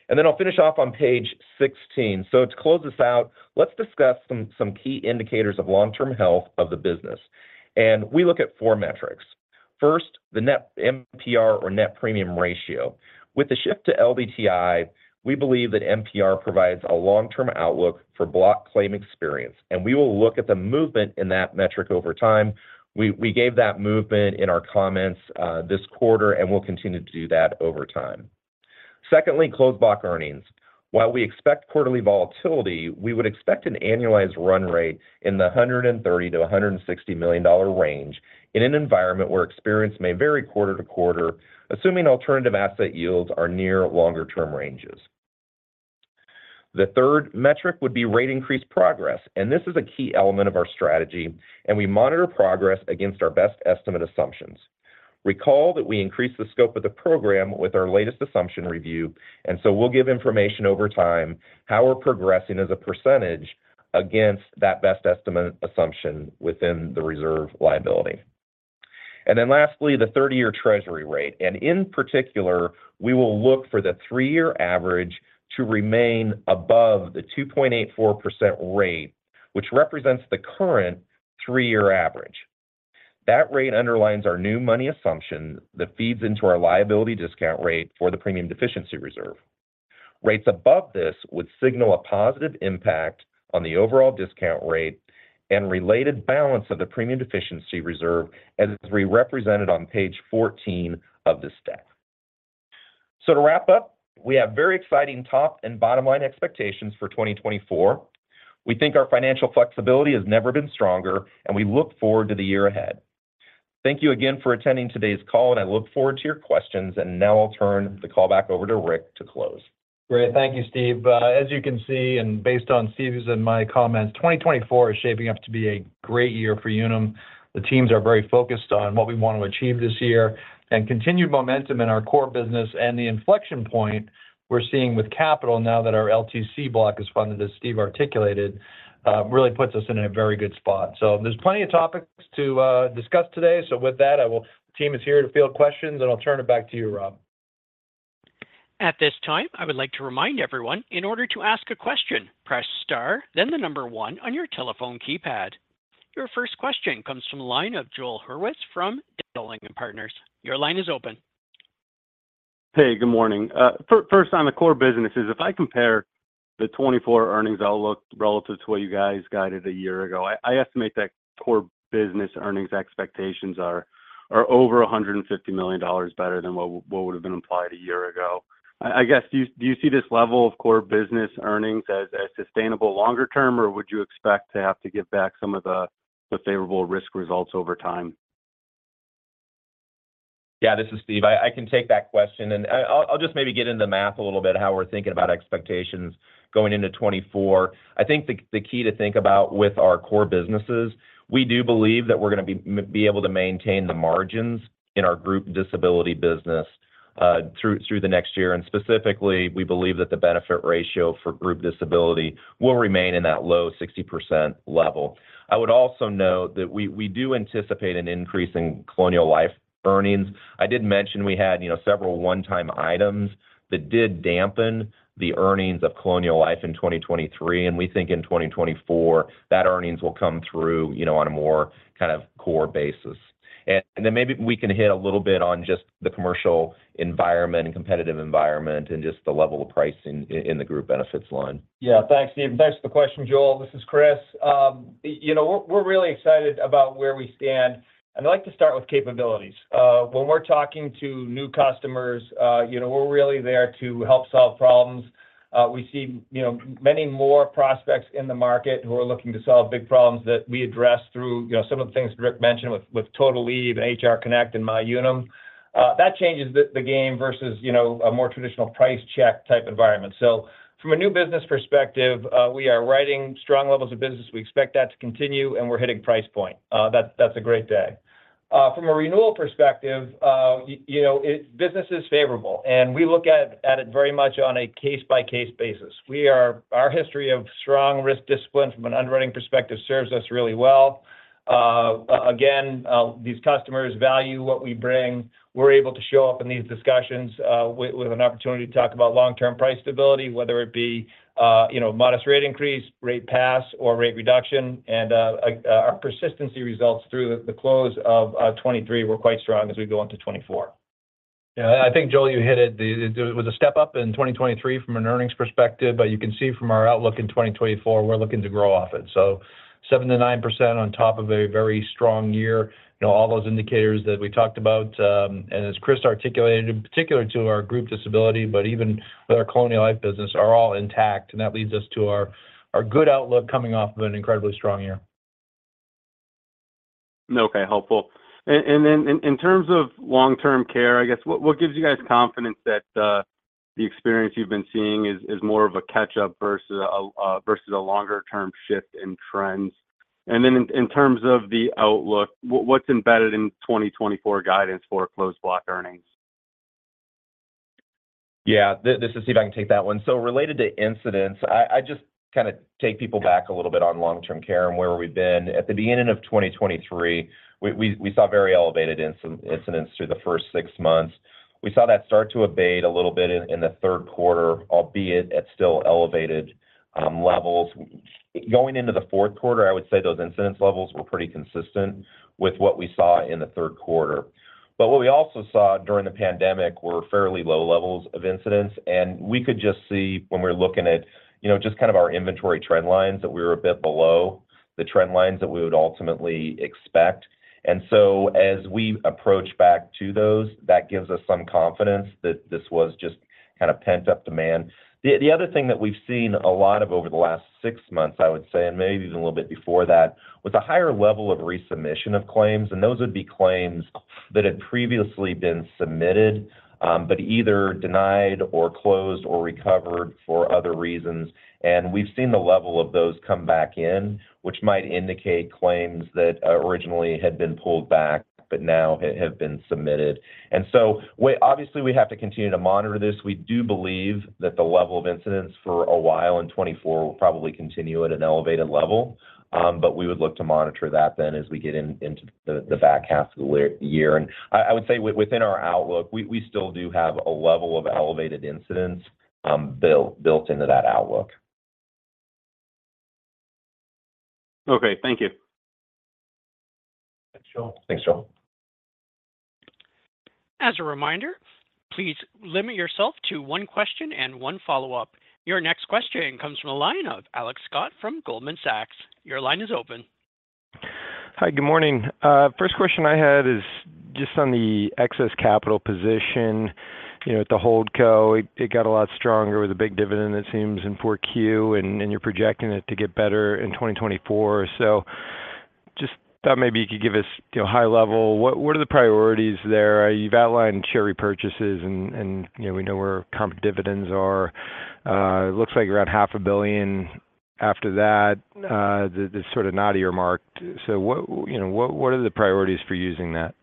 Then I'll finish off on page 16. So to close this out, let's discuss some, some key indicators of long-term health of the business, and we look at four metrics. First, the net MPR or net premium ratio. With the shift to LDTI, we believe that MPR provides a long-term outlook for block claim experience, and we will look at the movement in that metric over time. We, we gave that movement in our comments, this quarter, and we'll continue to do that over time. Secondly, closed block earnings. While we expect quarterly volatility, we would expect an annualized run rate in the $130 million-$160 million range in an environment where experience may vary quarter to quarter, assuming alternative asset yields are near longer-term ranges. The third metric would be rate increase progress, and this is a key element of our strategy, and we monitor progress against our best estimate assumptions. Recall that we increased the scope of the program with our latest assumption review, and so we'll give information over time, how we're progressing as a percentage against that best estimate assumption within the reserve liability. Then lastly, the 30-year Treasury rate, and in particular, we will look for the three-year average to remain above the 2.84% rate, which represents the current three-year average. That rate underlines our new money assumption that feeds into our liability discount rate for the premium deficiency reserve. Rates above this would signal a positive impact on the overall discount rate and related balance of the premium deficiency reserve, as is represented on page 14 of this deck. So to wrap up, we have very exciting top and bottom-line expectations for 2024. We think our financial flexibility has never been stronger, and we look forward to the year ahead. Thank you again for attending today's call, and I look forward to your questions. Now I'll turn the call back over to Rick to close. Great. Thank you, Steve. As you can see, and based on Steve's and my comments, 2024 is shaping up to be a great year for Unum. The teams are very focused on what we want to achieve this year and continued momentum in our core business and the inflection point we're seeing with capital now that our LTC block is funded, as Steve articulated, really puts us in a very good spot. So there's plenty of topics to discuss today. So with that, the team is here to field questions, and I'll turn it back to you, Rob. At this time, I would like to remind everyone, in order to ask a question, press star, then the number one on your telephone keypad. Your first question comes from the line of Joel Hurwitz from Dowling & Partners. Your line is open. Hey, good morning. First, on the core businesses, if I compare the 2024 earnings outlook relative to what you guys guided a year ago, I estimate that core business earnings expectations are over $150 million better than what would have been implied a year ago. I guess, do you see this level of core business earnings as sustainable longer term, or would you expect to have to give back some of the favorable risk results over time? Yeah, this is Steve. I can take that question, and I'll just maybe get into the math a little bit, how we're thinking about expectations going into 2024. I think the key to think about with our core businesses, we do believe that we're gonna be able to maintain the margins in our Group Disability business through the next year. And specifically, we believe that the Benefit Ratio for Group Disability will remain in that low 60% level. I would also note that we do anticipate an increase in Colonial Life earnings. I did mention we had, you know, several one-time items that did dampen the earnings of Colonial Life in 2023, and we think in 2024, that earnings will come through, you know, on a more kind of core basis. And then maybe we can hit a little bit on just the commercial environment and competitive environment and just the level of pricing in the group benefits line. Yeah, thanks, Steve. Thanks for the question, Joel. This is Chris. You know, we're really excited about where we stand, and I'd like to start with capabilities. When we're talking to new customers, you know, we're really there to help solve problems. We see, you know, many more prospects in the market who are looking to solve big problems that we address through, you know, some of the things Rick mentioned with Total Leave, HR Connect, and MyUnum. That changes the game versus, you know, a more traditional price check type environment. So from a new business perspective, we are writing strong levels of business. We expect that to continue, and we're hitting price point. That's a great day. From a renewal perspective, you know, business is favorable, and we look at it very much on a case-by-case basis. Our history of strong risk discipline from an underwriting perspective serves us really well. Again, these customers value what we bring. We're able to show up in these discussions with an opportunity to talk about long-term price stability, whether it be, you know, modest rate increase, rate pass or rate reduction. Our persistency results through the close of 2023 were quite strong as we go into 2024. Yeah, I think, Joel, you hit it. It was a step up in 2023 from an earnings perspective, but you can see from our outlook in 2024, we're looking to grow off it. So 7%-9% on top of a very strong year. You know, all those indicators that we talked about, and as Chris articulated, in particular to our group disability, but even with our Colonial Life business, are all intact, and that leads us to our, our good outlook coming off of an incredibly strong year. Okay, helpful. And then in terms of long-term care, I guess what gives you guys confidence that the experience you've been seeing is more of a catch-up versus a longer term shift in trends? And then in terms of the outlook, what's embedded in 2024 guidance for closed block earnings? Yeah, this is Steve. I can take that one. So related to incidents, I just kinda take people back a little bit on long-term care and where we've been. At the beginning of 2023, we saw very elevated incidents through the first six months. We saw that start to abate a little bit in the third quarter, albeit at still elevated levels. Going into the fourth quarter, I would say those incidence levels were pretty consistent with what we saw in the third quarter. But what we also saw during the pandemic were fairly low levels of incidents, and we could just see when we're looking at, you know, just kind of our inventory trend lines, that we were a bit below the trend lines that we would ultimately expect. And so as we approach back to those, that gives us some confidence that this was just kind of pent-up demand. The other thing that we've seen a lot of over the last six months, I would say, and maybe even a little bit before that, was a higher level of resubmission of claims, and those would be claims that had previously been submitted, but either denied or closed or recovered for other reasons. And we've seen the level of those come back in, which might indicate claims that originally had been pulled back, but now have been submitted. And so obviously, we have to continue to monitor this. We do believe that the level of incidence for a while in 2024 will probably continue at an elevated level, but we would look to monitor that then as we get into the back half of the latter year. I would say within our outlook, we still do have a level of elevated incidence built into that outlook. Okay, thank you. Thanks, Joel. Thanks, Joel. As a reminder, please limit yourself to one question and one follow-up. Your next question comes from the line of Alex Scott from Goldman Sachs. Your line is open. Hi, good morning. First question I had is just on the excess capital position, you know, at the Holdco. It, it got a lot stronger with a big dividend, it seems, in 4Q, and, and you're projecting it to get better in 2024. So just thought maybe you could give us, you know, high level, what, what are the priorities there? You've outlined share repurchases and, and, you know, we know where common dividends are. It looks like around $500 billion after that, the sort of 400 mark. So what, you know, what, what are the priorities for using that?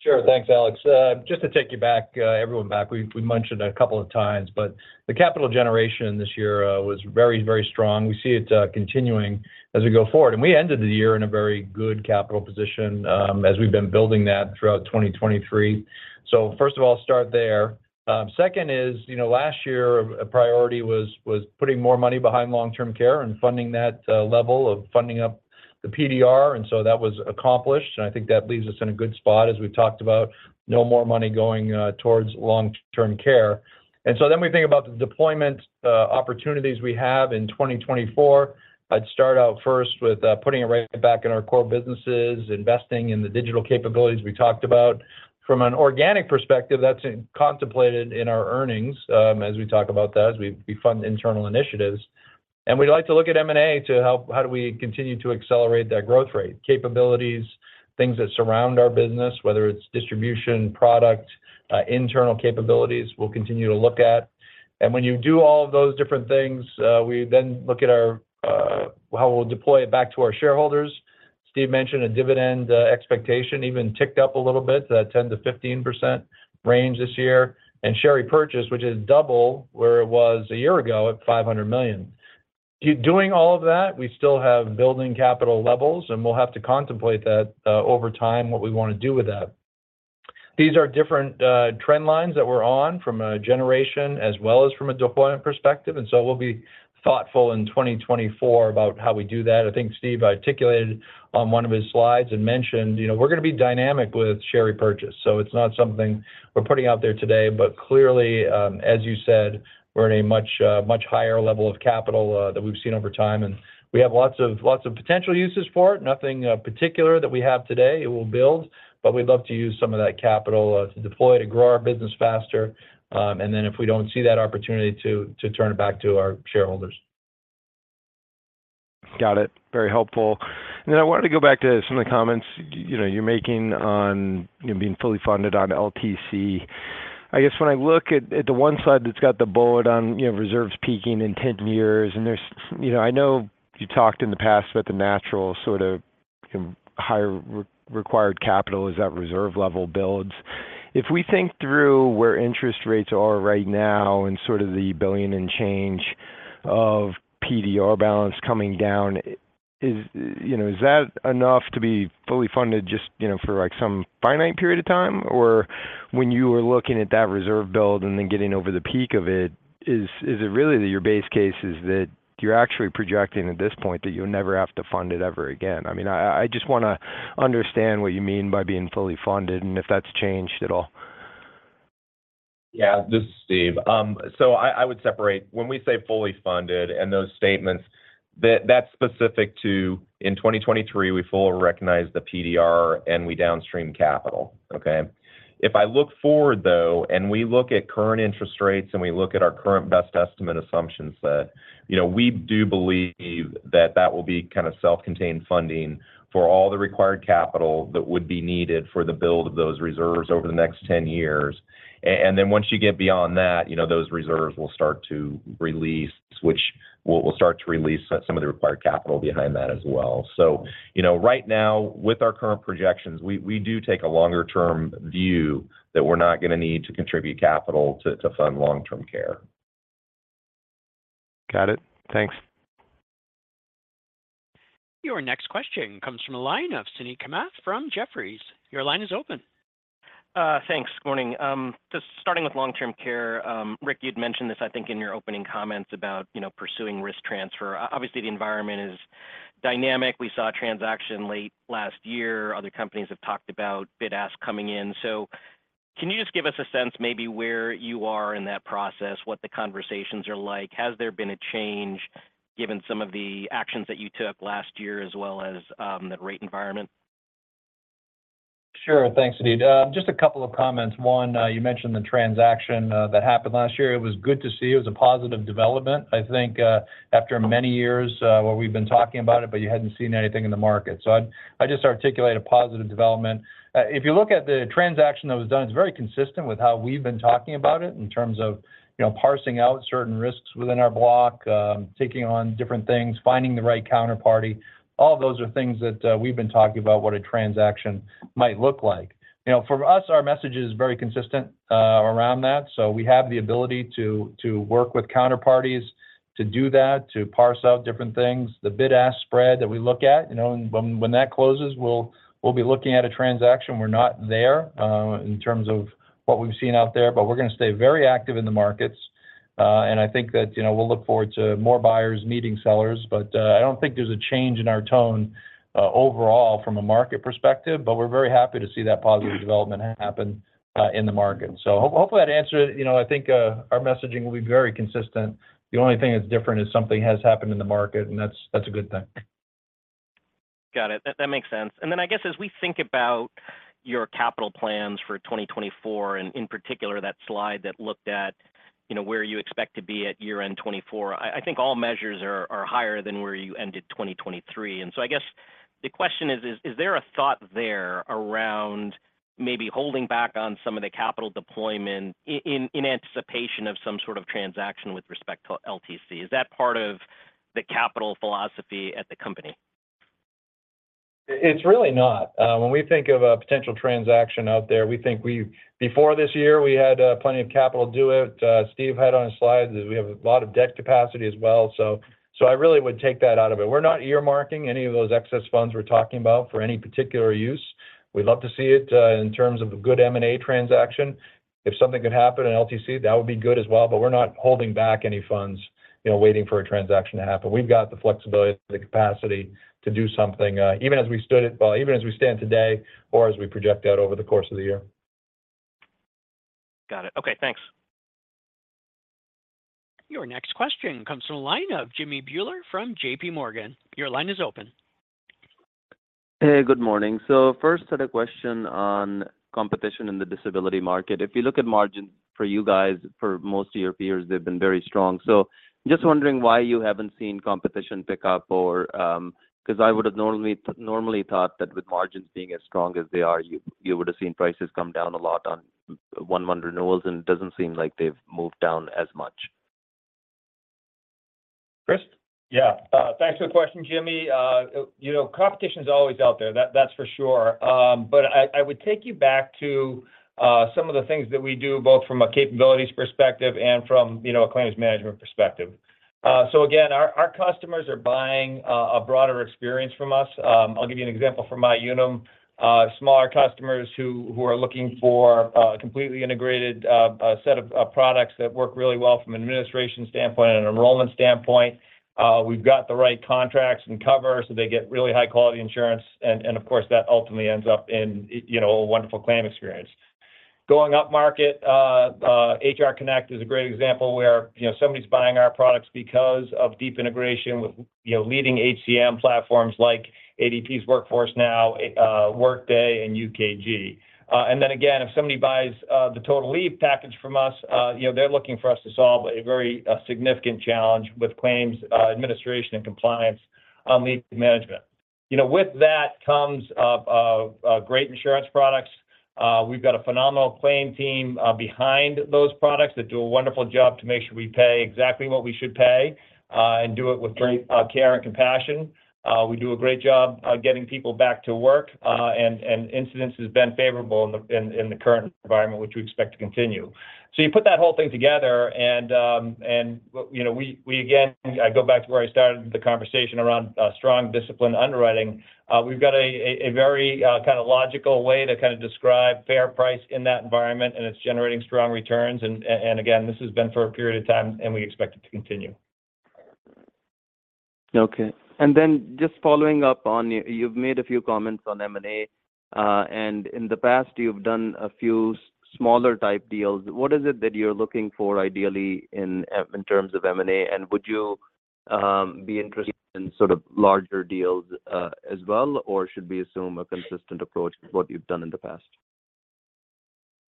Sure. Thanks, Alex. Just to take you back, everyone back, we've mentioned a couple of times, but the capital generation this year was very, very strong. We see it continuing as we go forward, and we ended the year in a very good capital position, as we've been building that throughout 2023. So first of all, I'll start there. Second is, you know, last year, a priority was putting more money behind long-term care and funding that level of funding up the PDR, and so that was accomplished, and I think that leaves us in a good spot as we've talked about, no more money going towards long-term care. And so then we think about the deployment opportunities we have in 2024. I'd start out first with putting it right back in our core businesses, investing in the digital capabilities we talked about. From an organic perspective, that's contemplated in our earnings, as we talk about that, as we fund internal initiatives. And we'd like to look at M&A to help - how do we continue to accelerate that growth rate, capabilities, things that surround our business, whether it's distribution, product, internal capabilities, we'll continue to look at. And when you do all of those different things, we then look at our how we'll deploy it back to our shareholders. Steve mentioned a dividend expectation, even ticked up a little bit to that 10%-15% range this year, and share repurchase, which is double where it was a year ago at $500 million. Doing all of that, we still have building capital levels, and we'll have to contemplate that, over time, what we want to do with that. These are different trend lines that we're on from a generation as well as from a deployment perspective, and so we'll be thoughtful in 2024 about how we do that. I think Steve articulated on one of his slides and mentioned, you know, we're going to be dynamic with share repurchase, so it's not something we're putting out there today. But clearly, as you said, we're in a much, much higher level of capital than we've seen over time, and we have lots of, lots of potential uses for it. Nothing particular that we have today, it will build, but we'd love to use some of that capital to deploy, to grow our business faster. And then if we don't see that opportunity to turn it back to our shareholders. Got it. Very helpful. And then I wanted to go back to some of the comments, you know, you're making on, you know, being fully funded on LTC. I guess when I look at, at the one side that's got the bullet on, you know, reserves peaking in 10 years, and there's. You know, I know you talked in the past about the natural sort of higher required capital as that reserve level builds. If we think through where interest rates are right now and sort of the $1 billion and change of PDR balance coming down, is, you know, is that enough to be fully funded just, you know, for like some finite period of time? Or when you were looking at that reserve build and then getting over the peak of it, is it really that your base case is that you're actually projecting at this point that you'll never have to fund it ever again? I mean, I just wanna understand what you mean by being fully funded, and if that's changed at all. Yeah, this is Steve. So I would separate, when we say fully funded and those statements, that's specific to, in 2023, we fully recognize the PDR and we downstream capital, okay? If I look forward though, and we look at current interest rates, and we look at our current best estimate assumptions that, you know, we do believe that that will be kind of self-contained funding for all the required capital that would be needed for the build of those reserves over the next 10 years. And then once you get beyond that, you know, those reserves will start to release, which we'll start to release some of the required capital behind that as well. So, you know, right now, with our current projections, we do take a longer term view that we're not gonna need to contribute capital to fund long-term care. Got it. Thanks. Your next question comes from the line of Suneet Kamath from Jefferies. Your line is open. Thanks. Morning, just starting with long-term care. Rick, you'd mentioned this, I think, in your opening comments about, you know, pursuing risk transfer. Obviously, the environment is dynamic. We saw a transaction late last year. Other companies have talked about bid ask coming in. So can you just give us a sense maybe where you are in that process, what the conversations are like? Has there been a change, given some of the actions that you took last year, as well as, the rate environment? Sure. Thanks, Suneet. Just a couple of comments. One, you mentioned the transaction that happened last year. It was good to see. It was a positive development, I think, after many years where we've been talking about it, but you hadn't seen anything in the market. So I'd just articulate a positive development. If you look at the transaction that was done, it's very consistent with how we've been talking about it in terms of, you know, parsing out certain risks within our block, taking on different things, finding the right counterparty. All those are things that we've been talking about what a transaction might look like. You know, for us, our message is very consistent around that. So we have the ability to work with counterparties to do that, to parse out different things. The bid-ask spread that we look at, you know, and when that closes, we'll be looking at a transaction. We're not there in terms of what we've seen out there, but we're gonna stay very active in the markets. And I think that, you know, we'll look forward to more buyers meeting sellers, but I don't think there's a change in our tone overall from a market perspective, but we're very happy to see that positive development happen in the market. So hopefully, that answered it. You know, I think our messaging will be very consistent. The only thing that's different is something has happened in the market, and that's a good thing. Got it. That, that makes sense. And then I guess as we think about your capital plans for 2024, and in particular, that slide that looked at, you know, where you expect to be at year-end 2024, I, I think all measures are, are higher than where you ended 2023. And so I guess the question is, is, is there a thought there around maybe holding back on some of the capital deployment in anticipation of some sort of transaction with respect to LTC? Is that part of the capital philosophy at the company? It's really not. When we think of a potential transaction out there. Before this year, we had plenty of capital to do it. Steve had on his slide that we have a lot of debt capacity as well, so I really would take that out of it. We're not earmarking any of those excess funds we're talking about for any particular use. We'd love to see it in terms of a good M&A transaction. If something could happen in LTC, that would be good as well, but we're not holding back any funds, you know, waiting for a transaction to happen. We've got the flexibility, the capacity to do something, even as we stand today or as we project out over the course of the year. Got it. Okay, thanks. Your next question comes from the line of Jimmy Buehler from JP Morgan. Your line is open. Hey, good morning. First, I had a question on competition in the disability market. If you look at margin for you guys, for most of your peers, they've been very strong. Just wondering why you haven't seen competition pick up or because I would have normally thought that with margins being as strong as they are, you would have seen prices come down a lot on one-month renewals, and it doesn't seem like they've moved down as much. Chris? Yeah, thanks for the question, Jimmy. You know, competition is always out there, that's for sure. But I would take you back to some of the things that we do, both from a capabilities perspective and from, you know, a claims management perspective. So again, our customers are buying a broader experience from us. I'll give you an example from MyUnum. Smaller customers who are looking for a completely integrated set of products that work really well from an administration standpoint and an enrollment standpoint. We've got the right contracts and cover, so they get really high-quality insurance, and of course, that ultimately ends up in a, you know, wonderful claim experience. Going upmarket, HR Connect is a great example where, you know, somebody's buying our products because of deep integration with, you know, leading HCM platforms like ADP's Workforce Now, Workday, and UKG. And then again, if somebody buys the Total Leave package from us, you know, they're looking for us to solve a very significant challenge with claims administration and compliance on leave management. You know, with that comes great insurance products. We've got a phenomenal claim team behind those products that do a wonderful job to make sure we pay exactly what we should pay, and do it with great care and compassion. We do a great job getting people back to work, and incidence has been favorable in the current environment, which we expect to continue. So you put that whole thing together, and, well, you know, we again go back to where I started the conversation around strong disciplined underwriting. We've got a very kind of logical way to kind of describe fair price in that environment, and it's generating strong returns. And again, this has been for a period of time, and we expect it to continue. Okay, and then just following up on, you've made a few comments on M&A, and in the past, you've done a few smaller type deals. What is it that you're looking for ideally in terms of M&A? And would you be interested in sort of larger deals as well, or should we assume a consistent approach to what you've done in the past?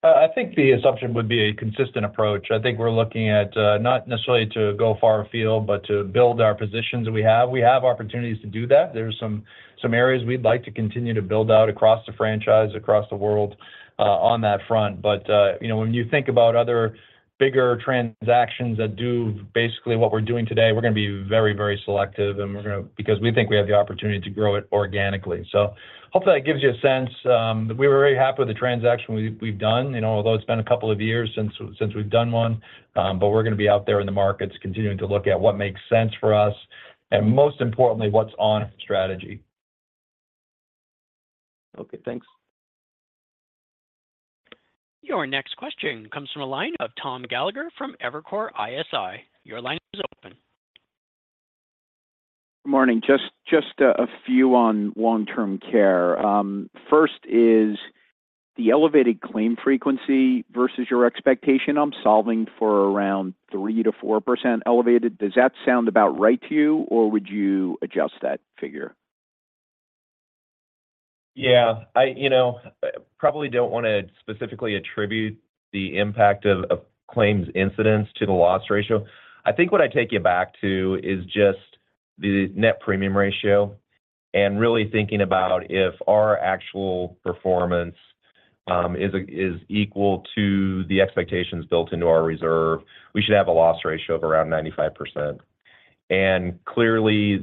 I think the assumption would be a consistent approach. I think we're looking at not necessarily to go far afield, but to build our positions that we have. We have opportunities to do that. There's some areas we'd like to continue to build out across the franchise, across the world on that front. But you know, when you think about other bigger transactions that do basically what we're doing today, we're going to be very, very selective, and we're going to because we think we have the opportunity to grow it organically. So hopefully that gives you a sense. We were very happy with the transaction we've done. You know, although it's been a couple of years since we've done one, but we're going to be out there in the markets, continuing to look at what makes sense for us and most importantly, what's on strategy. Okay, thanks. Your next question comes from a line of Tom Gallagher from Evercore ISI. Your line is open. Good morning. Just a few on long-term care. First is the elevated claim frequency versus your expectation. I'm solving for around 3%-4% elevated. Does that sound about right to you, or would you adjust that figure? Yeah, I, you know, probably don't want to specifically attribute the impact of claims incidents to the loss ratio. I think what I'd take you back to is just the net premium ratio and really thinking about if our actual performance is equal to the expectations built into our reserve. We should have a loss ratio of around 95%. And clearly,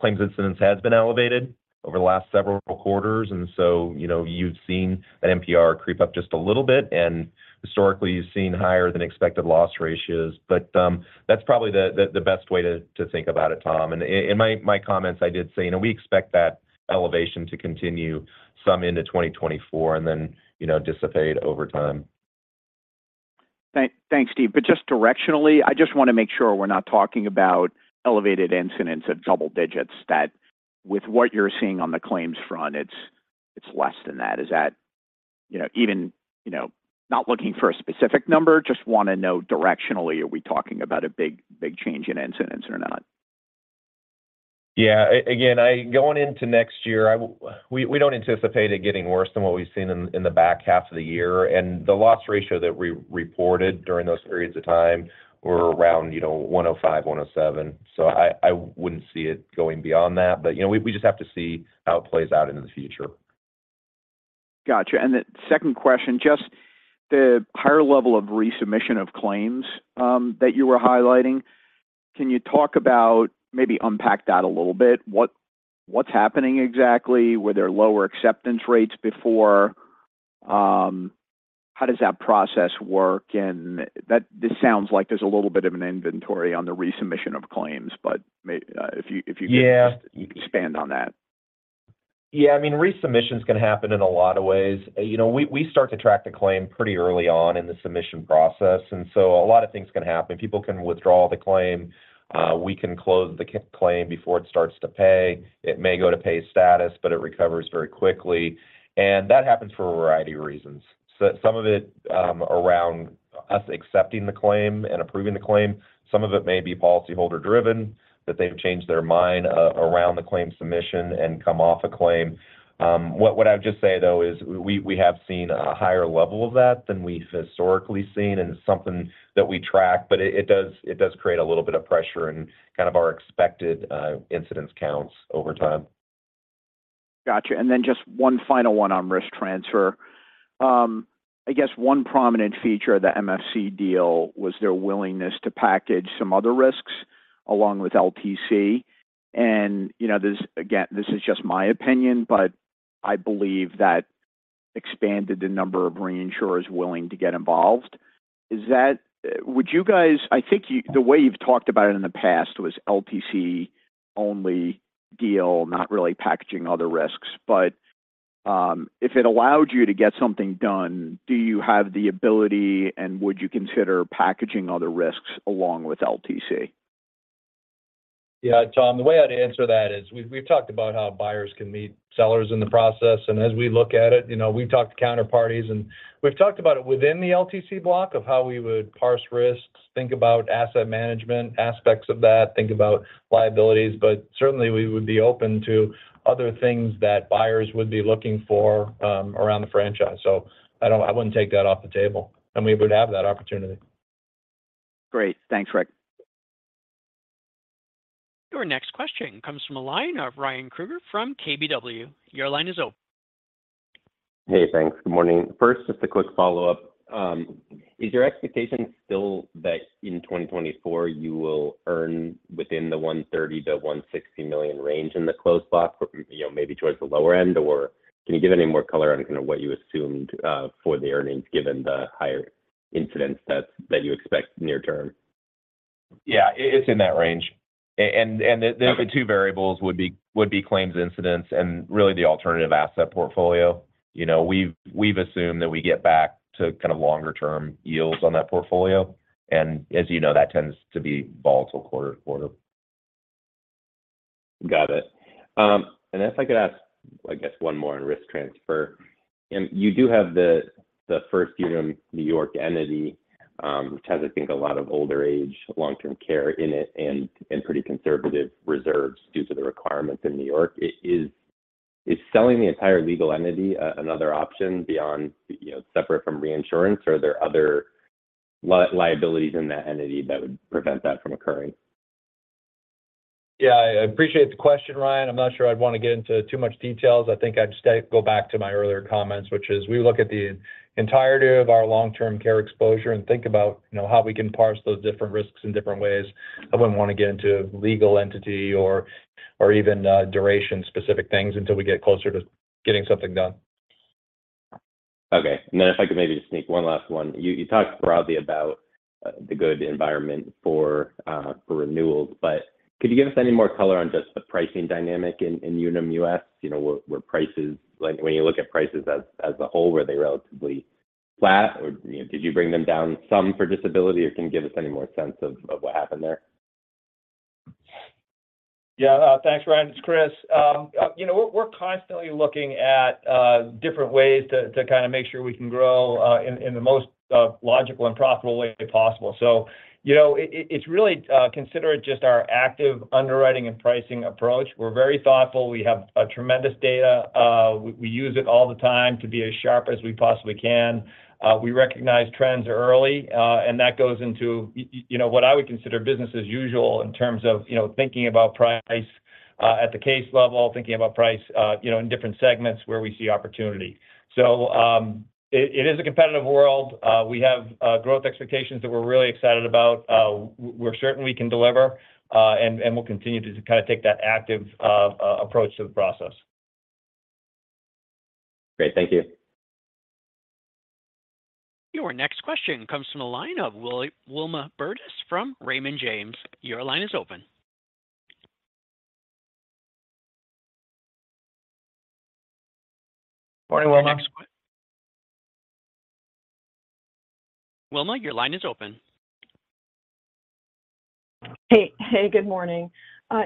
claims incidence has been elevated over the last several quarters, and so, you know, you've seen that MPR creep up just a little bit, and historically, you've seen higher than expected loss ratios. But, that's probably the best way to think about it, Tom. And in my comments, I did say, you know, we expect that elevation to continue some into 2024 and then, you know, dissipate over time. Thanks, Steve. But just directionally, I just want to make sure we're not talking about elevated incidents of double digits, that with what you're seeing on the claims front, it's less than that. Is that? You know, even, you know, not looking for a specific number, just want to know directionally, are we talking about a big, big change in incidents or not? Yeah. Again, going into next year, we, we don't anticipate it getting worse than what we've seen in the back half of the year. And the loss ratio that we reported during those periods of time were around, you know, 105%-107%. So I wouldn't see it going beyond that, but, you know, we just have to see how it plays out into the future. Gotcha. And the second question, just the higher level of resubmission of claims, that you were highlighting, can you talk about maybe unpack that a little bit? What, what's happening exactly? Were there lower acceptance rates before? How does that process work? And that—this sounds like there's a little bit of an inventory on the resubmission of claims, but may, if you, if you could- Yeah. -just expand on that. Yeah, I mean, resubmissions can happen in a lot of ways. You know, we, we start to track the claim pretty early on in the submission process, and so a lot of things can happen. People can withdraw the claim, we can close the claim before it starts to pay. It may go to pay status, but it recovers very quickly, and that happens for a variety of reasons. So some of it around us accepting the claim and approving the claim, some of it may be policyholder driven, that they've changed their mind around the claim submission and come off a claim. What I would just say, though, is we have seen a higher level of that than we've historically seen, and it's something that we track, but it does create a little bit of pressure and kind of our expected incidents counts over time. Got you. And then just one final one on risk transfer. I guess one prominent feature of the MFC deal was their willingness to package some other risks along with LTC. And, you know, this again, this is just my opinion, but I believe that expanded the number of reinsurers willing to get involved. Is that, would you guys. I think you, the way you've talked about it in the past was LTC only deal, not really packaging other risks. But, if it allowed you to get something done, do you have the ability, and would you consider packaging other risks along with LTC? Yeah, Tom, the way I'd answer that is we've talked about how buyers can meet sellers in the process, and as we look at it, you know, we've talked to counterparties, and we've talked about it within the LTC block of how we would parse risks, think about asset management aspects of that, think about liabilities, but certainly we would be open to other things that buyers would be looking for around the franchise. So I wouldn't take that off the table, and we would have that opportunity. Great. Thanks, Rick. Your next question comes from the line of Ryan Krueger from KBW. Your line is open. Hey, thanks. Good morning. First, just a quick follow-up. Is your expectation still that in 2024, you will earn within the $130 million-$160 million range in the Closed Block, you know, maybe towards the lower end? Or can you give any more color on kind of what you assumed, for the earnings, given the higher incidence that you expect near term? Yeah, it's in that range. And the two variables would be claims incidents and really the alternative asset portfolio. You know, we've assumed that we get back to kind of longer-term yields on that portfolio, and as you know, that tends to be volatile quarter to quarter. Got it. If I could ask, I guess, one more on risk transfer. You do have the first Unum New York entity, which has, I think, a lot of older age long-term care in it and pretty conservative reserves due to the requirements in New York. Is selling the entire legal entity another option beyond, you know, separate from reinsurance, or are there other liabilities in that entity that would prevent that from occurring? Yeah, I appreciate the question, Ryan. I'm not sure I'd want to get into too much details. I think I'd just go back to my earlier comments, which is we look at the entirety of our long-term care exposure and think about, you know, how we can parse those different risks in different ways. I wouldn't want to get into legal entity or even duration-specific things until we get closer to getting something done. Okay. And then if I could maybe just sneak one last one. You talked broadly about the good environment for renewals, but could you give us any more color on just the pricing dynamic in Unum U.S.? You know, were prices—like, when you look at prices as a whole, were they relatively flat, or, you know, did you bring them down some for disability, or can you give us any more sense of what happened there? Yeah, thanks, Ryan. It's Chris. You know, we're constantly looking at different ways to kind of make sure we can grow in the most logical and profitable way possible. So you know, it's really consider it just our active underwriting and pricing approach. We're very thoughtful. We have a tremendous data. We use it all the time to be as sharp as we possibly can. We recognize trends early, and that goes into you know, what I would consider business as usual in terms of, you know, thinking about price at the case level, thinking about price, you know, in different segments where we see opportunity. So, it is a competitive world. We have growth expectations that we're really excited about. We're certain we can deliver, and we'll continue to kind of take that active approach to the process. Great. Thank you. Your next question comes from the line of Wilma, Wilma Burdis from Raymond James. Your line is open. Morning, Wilma. Next, Wilma, your line is open. Hey, hey, good morning.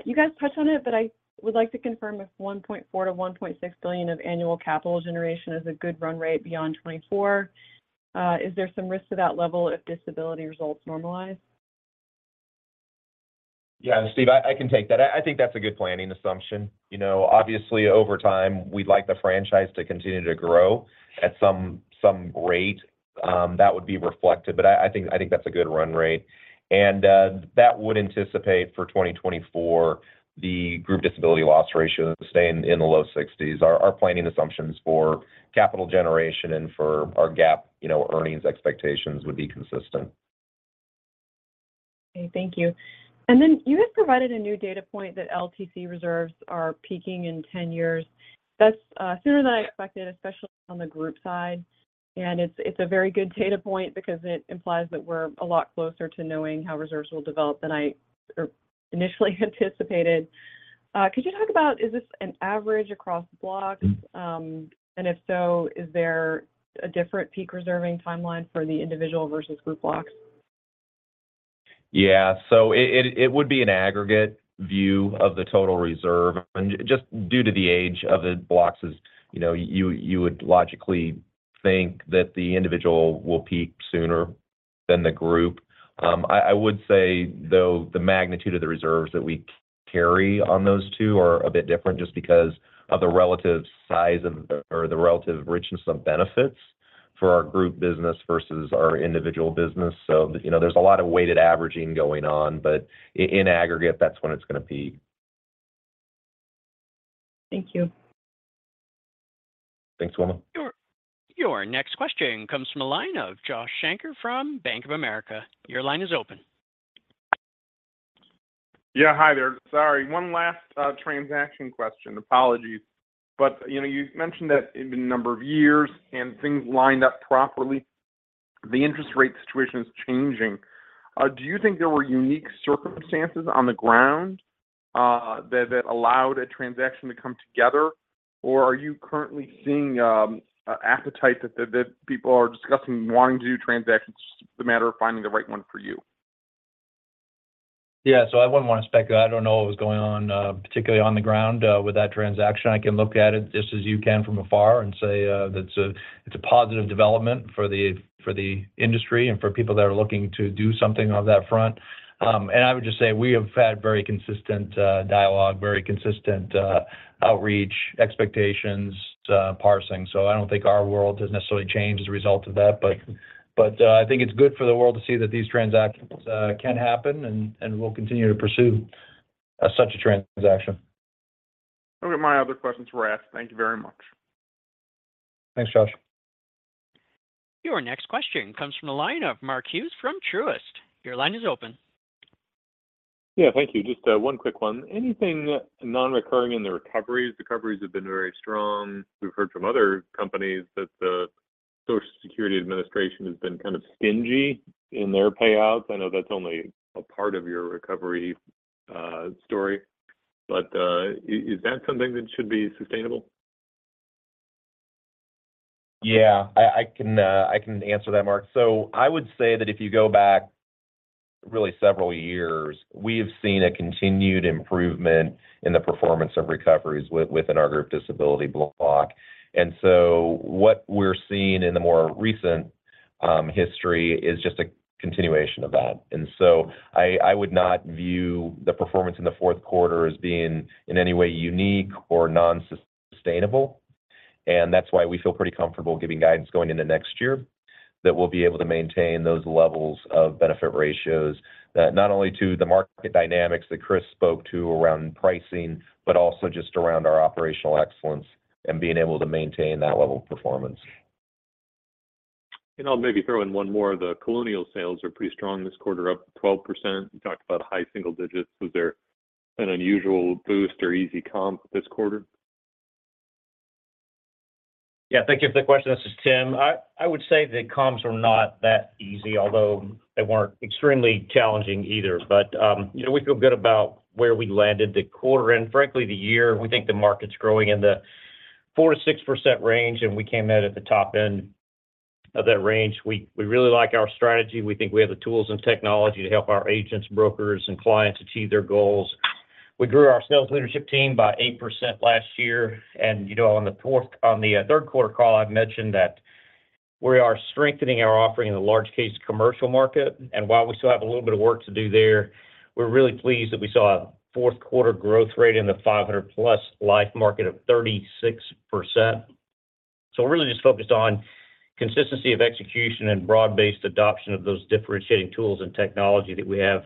You guys touched on it, but I would like to confirm if $1.4 billion-$1.6 billion of annual capital generation is a good run rate beyond 2024. Is there some risk to that level if disability results normalize? Yeah, Steve, I can take that. I think that's a good planning assumption. You know, obviously, over time, we'd like the franchise to continue to grow at some rate. That would be reflected, but I think that's a good run rate. And that would anticipate for 2024, the group disability loss ratio staying in the low 60s. Our planning assumptions for capital generation and for our GAAP earnings expectations would be consistent. Okay, thank you. And then you have provided a new data point that LTC reserves are peaking in 10 years. That's sooner than I expected, especially on the group side, and it's a very good data point because it implies that we're a lot closer to knowing how reserves will develop than I initially anticipated. Could you talk about, is this an average across blocks? And if so, is there a different peak reserving timeline for the individual versus group blocks? Yeah. So it would be an aggregate view of the total reserve. And just due to the age of the blocks, as you know, you would logically think that the individual will peak sooner than the group. I would say, though, the magnitude of the reserves that we carry on those two are a bit different, just because of the relative size of or the relative richness of benefits for our group business versus our individual business. So you know, there's a lot of weighted averaging going on, but in aggregate, that's when it's going to peak. Thank you. Thanks, Wilma. Your next question comes from the line of Josh Shanker from Bank of America. Your line is open. Yeah, hi there. Sorry, one last transaction question. Apologies. But, you know, you've mentioned that in a number of years and things lined up properly, the interest rate situation is changing. Do you think there were unique circumstances on the ground that allowed a transaction to come together? Or are you currently seeing appetite that people are discussing wanting to do transactions, it's just a matter of finding the right one for you? Yeah. So I wouldn't want to spec that. I don't know what was going on, particularly on the ground, with that transaction. I can look at it just as you can from afar and say, that it's a, it's a positive development for the, for the industry and for people that are looking to do something on that front. And I would just say we have had very consistent, dialogue, very consistent, outreach, expectations, parsing. So I don't think our world has necessarily changed as a result of that. But, I think it's good for the world to see that these transactions, can happen, and, we'll continue to pursue, such a transaction. Okay. My other questions were asked. Thank you very much. Thanks, Josh. Your next question comes from the line of Mark Hughes from Truist. Your line is open. Yeah, thank you. Just, one quick one. Anything non-recurring in the recoveries? Recoveries have been very strong. We've heard from other companies that the Social Security Administration has been kind of stingy in their payouts. I know that's only a part of your recovery story, but, is that something that should be sustainable? Yeah, I, I can answer that, Mark. So I would say that if you go back really several years, we have seen a continued improvement in the performance of recoveries within our group disability block. And so what we're seeing in the more recent history is just a continuation of that. And so I, I would not view the performance in the fourth quarter as being in any way unique or non-sustainable, and that's why we feel pretty comfortable giving guidance going into next year, that we'll be able to maintain those levels of benefit ratios, that not only to the market dynamics that Chris spoke to around pricing, but also just around our operational excellence and being able to maintain that level of performance. I'll maybe throw in one more. The Colonial sales are pretty strong this quarter, up 12%. You talked about high single digits. Was there an unusual boost or easy comp this quarter? Yeah, thank you for the question. This is Tim. I would say the comps were not that easy, although they weren't extremely challenging either. But, you know, we feel good about where we landed the quarter and, frankly, the year. We think the market's growing in the 4%-6% range, and we came out at the top end of that range. We really like our strategy. We think we have the tools and technology to help our agents, brokers, and clients achieve their goals. We grew our sales leadership team by 8% last year, and, you know, on the third quarter call, I've mentioned that we are strengthening our offering in the large case commercial market, and while we still have a little bit of work to do there, we're really pleased that we saw a fourth quarter growth rate in the 500+ life market of 36%. So we're really just focused on consistency of execution and broad-based adoption of those differentiating tools and technology that we have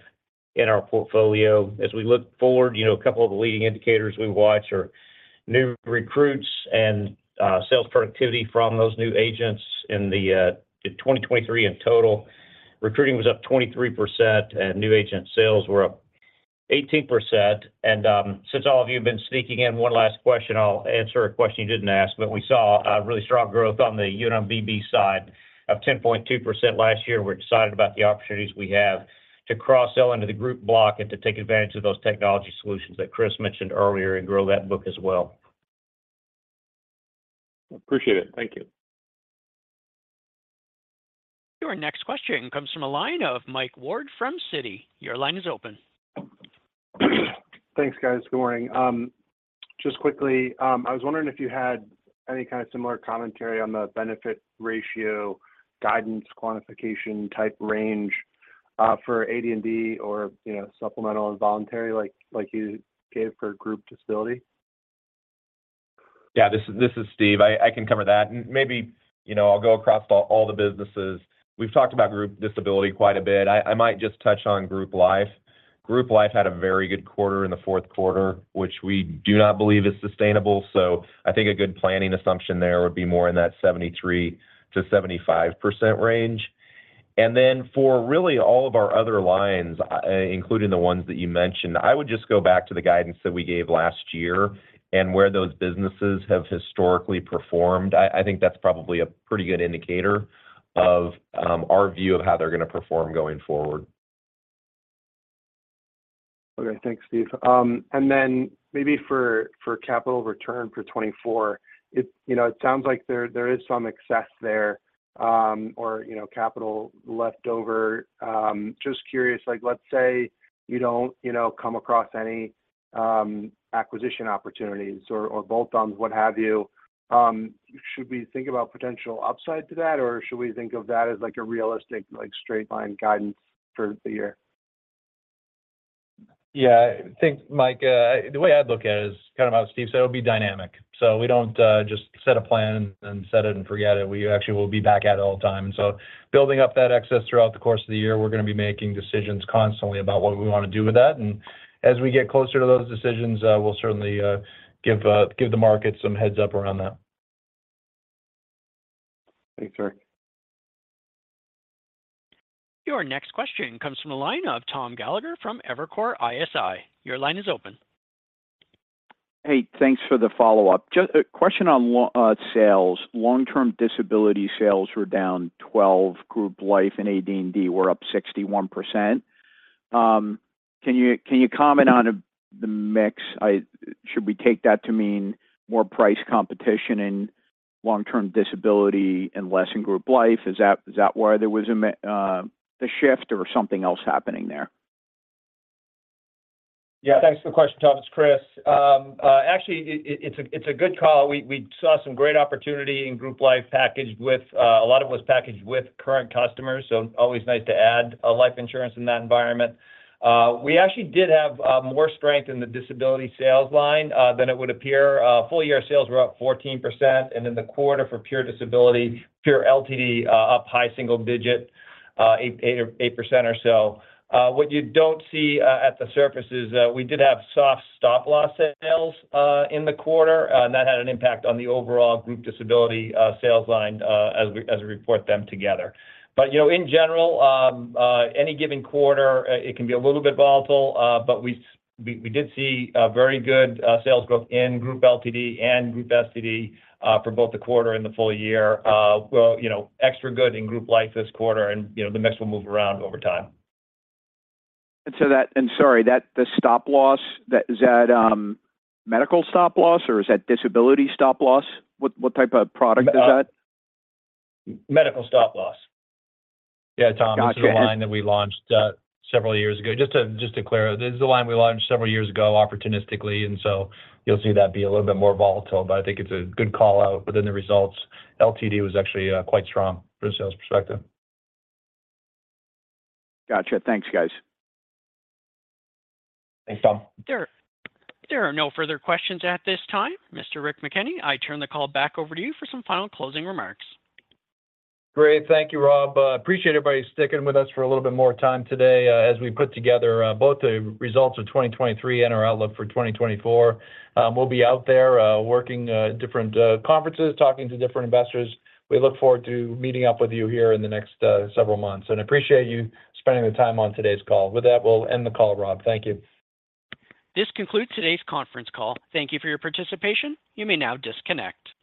in our portfolio. As we look forward, you know, a couple of the leading indicators we watch are new recruits and sales productivity from those new agents. In 2023 in total, recruiting was up 23%, and new agent sales were up 18%. Since all of you have been sneaking in one last question, I'll answer a question you didn't ask, but we saw a really strong growth on the Unum VB side of 10.2% last year. We're excited about the opportunities we have to cross-sell into the group block and to take advantage of those technology solutions that Chris mentioned earlier and grow that book as well. Appreciate it. Thank you. Your next question comes from a line of Mike Ward from Citi. Your line is open. Thanks, guys. Good morning. Just quickly, I was wondering if you had any kind of similar commentary on the benefit ratio, guidance, quantification type range, for AD&D or, you know, supplemental and voluntary, like, like you gave for group disability? Yeah, this is Steve. I can cover that. Maybe, you know, I'll go across all the businesses. We've talked about group disability quite a bit. I might just touch on group life. Group Life had a very good quarter in the fourth quarter, which we do not believe is sustainable. So I think a good planning assumption there would be more in that 73%-75% range. And then for really all of our other lines, including the ones that you mentioned, I would just go back to the guidance that we gave last year and where those businesses have historically performed. I think that's probably a pretty good indicator of our view of how they're going to perform going forward. Okay, thanks, Steve. And then maybe for capital return for 2024, it, you know, it sounds like there is some excess there, or, you know, capital leftover. Just curious, like, let's say, you don't, you know, come across any acquisition opportunities or bolt-ons, what have you, should we think about potential upside to that, or should we think of that as, like, a realistic, like, straight line guidance for the year? Yeah, I think, Mike, the way I'd look at it is kind of how Steve said, it would be dynamic. So we don't just set a plan and set it and forget it. We actually will be back at it all the time. So building up that excess throughout the course of the year, we're gonna be making decisions constantly about what we want to do with that, and as we get closer to those decisions, we'll certainly give the market some heads-up around that. Thanks, Rick. Your next question comes from a line of Tom Gallagher from Evercore ISI. Your line is open. Hey, thanks for the follow-up. Just a question on sales. Long-term disability sales were down 12%, group life and AD&D were up 61%. Can you comment on the mix? Should we take that to mean more price competition in long-term disability and less in group life? Is that why there was a shift or something else happening there? Yeah, thanks for the question, Tom. It's Chris. Actually, it's a good call. We saw some great opportunity in group life packaged with a lot of was packaged with current customers, so always nice to add a life insurance in that environment. We actually did have more strength in the disability sales line than it would appear. Full year sales were up 14%, and in the quarter for pure disability, pure LTD, up high single digit, 8% or so. What you don't see at the surface is that we did have soft stop-loss sales in the quarter, and that had an impact on the overall group disability sales line as we report them together. But, you know, in general, any given quarter, it can be a little bit volatile, but we did see a very good sales growth in Group LTD and Group STD, for both the quarter and the full year. Well, you know, extra good in Group Life this quarter, and, you know, the mix will move around over time. Sorry, the stop-loss, is that medical stop-loss or is that disability stop-loss? What type of product is that? Medical stop-loss. Yeah, Tom, this is a line that we launched several years ago. Just to clear, this is a line we launched several years ago opportunistically, and so you'll see that be a little bit more volatile, but I think it's a good call-out within the results. LTD was actually quite strong from a sales perspective. Gotcha. Thanks, guys. Thanks, Tom. There are no further questions at this time. Mr. Rick McKenney, I turn the call back over to you for some final closing remarks. Great. Thank you, Rob. Appreciate everybody sticking with us for a little bit more time today, as we put together both the results of 2023 and our outlook for 2024. We'll be out there working different conferences, talking to different investors. We look forward to meeting up with you here in the next several months, and appreciate you spending the time on today's call. With that, we'll end the call, Rob. Thank you. This concludes today's conference call. Thank you for your participation. You may now disconnect.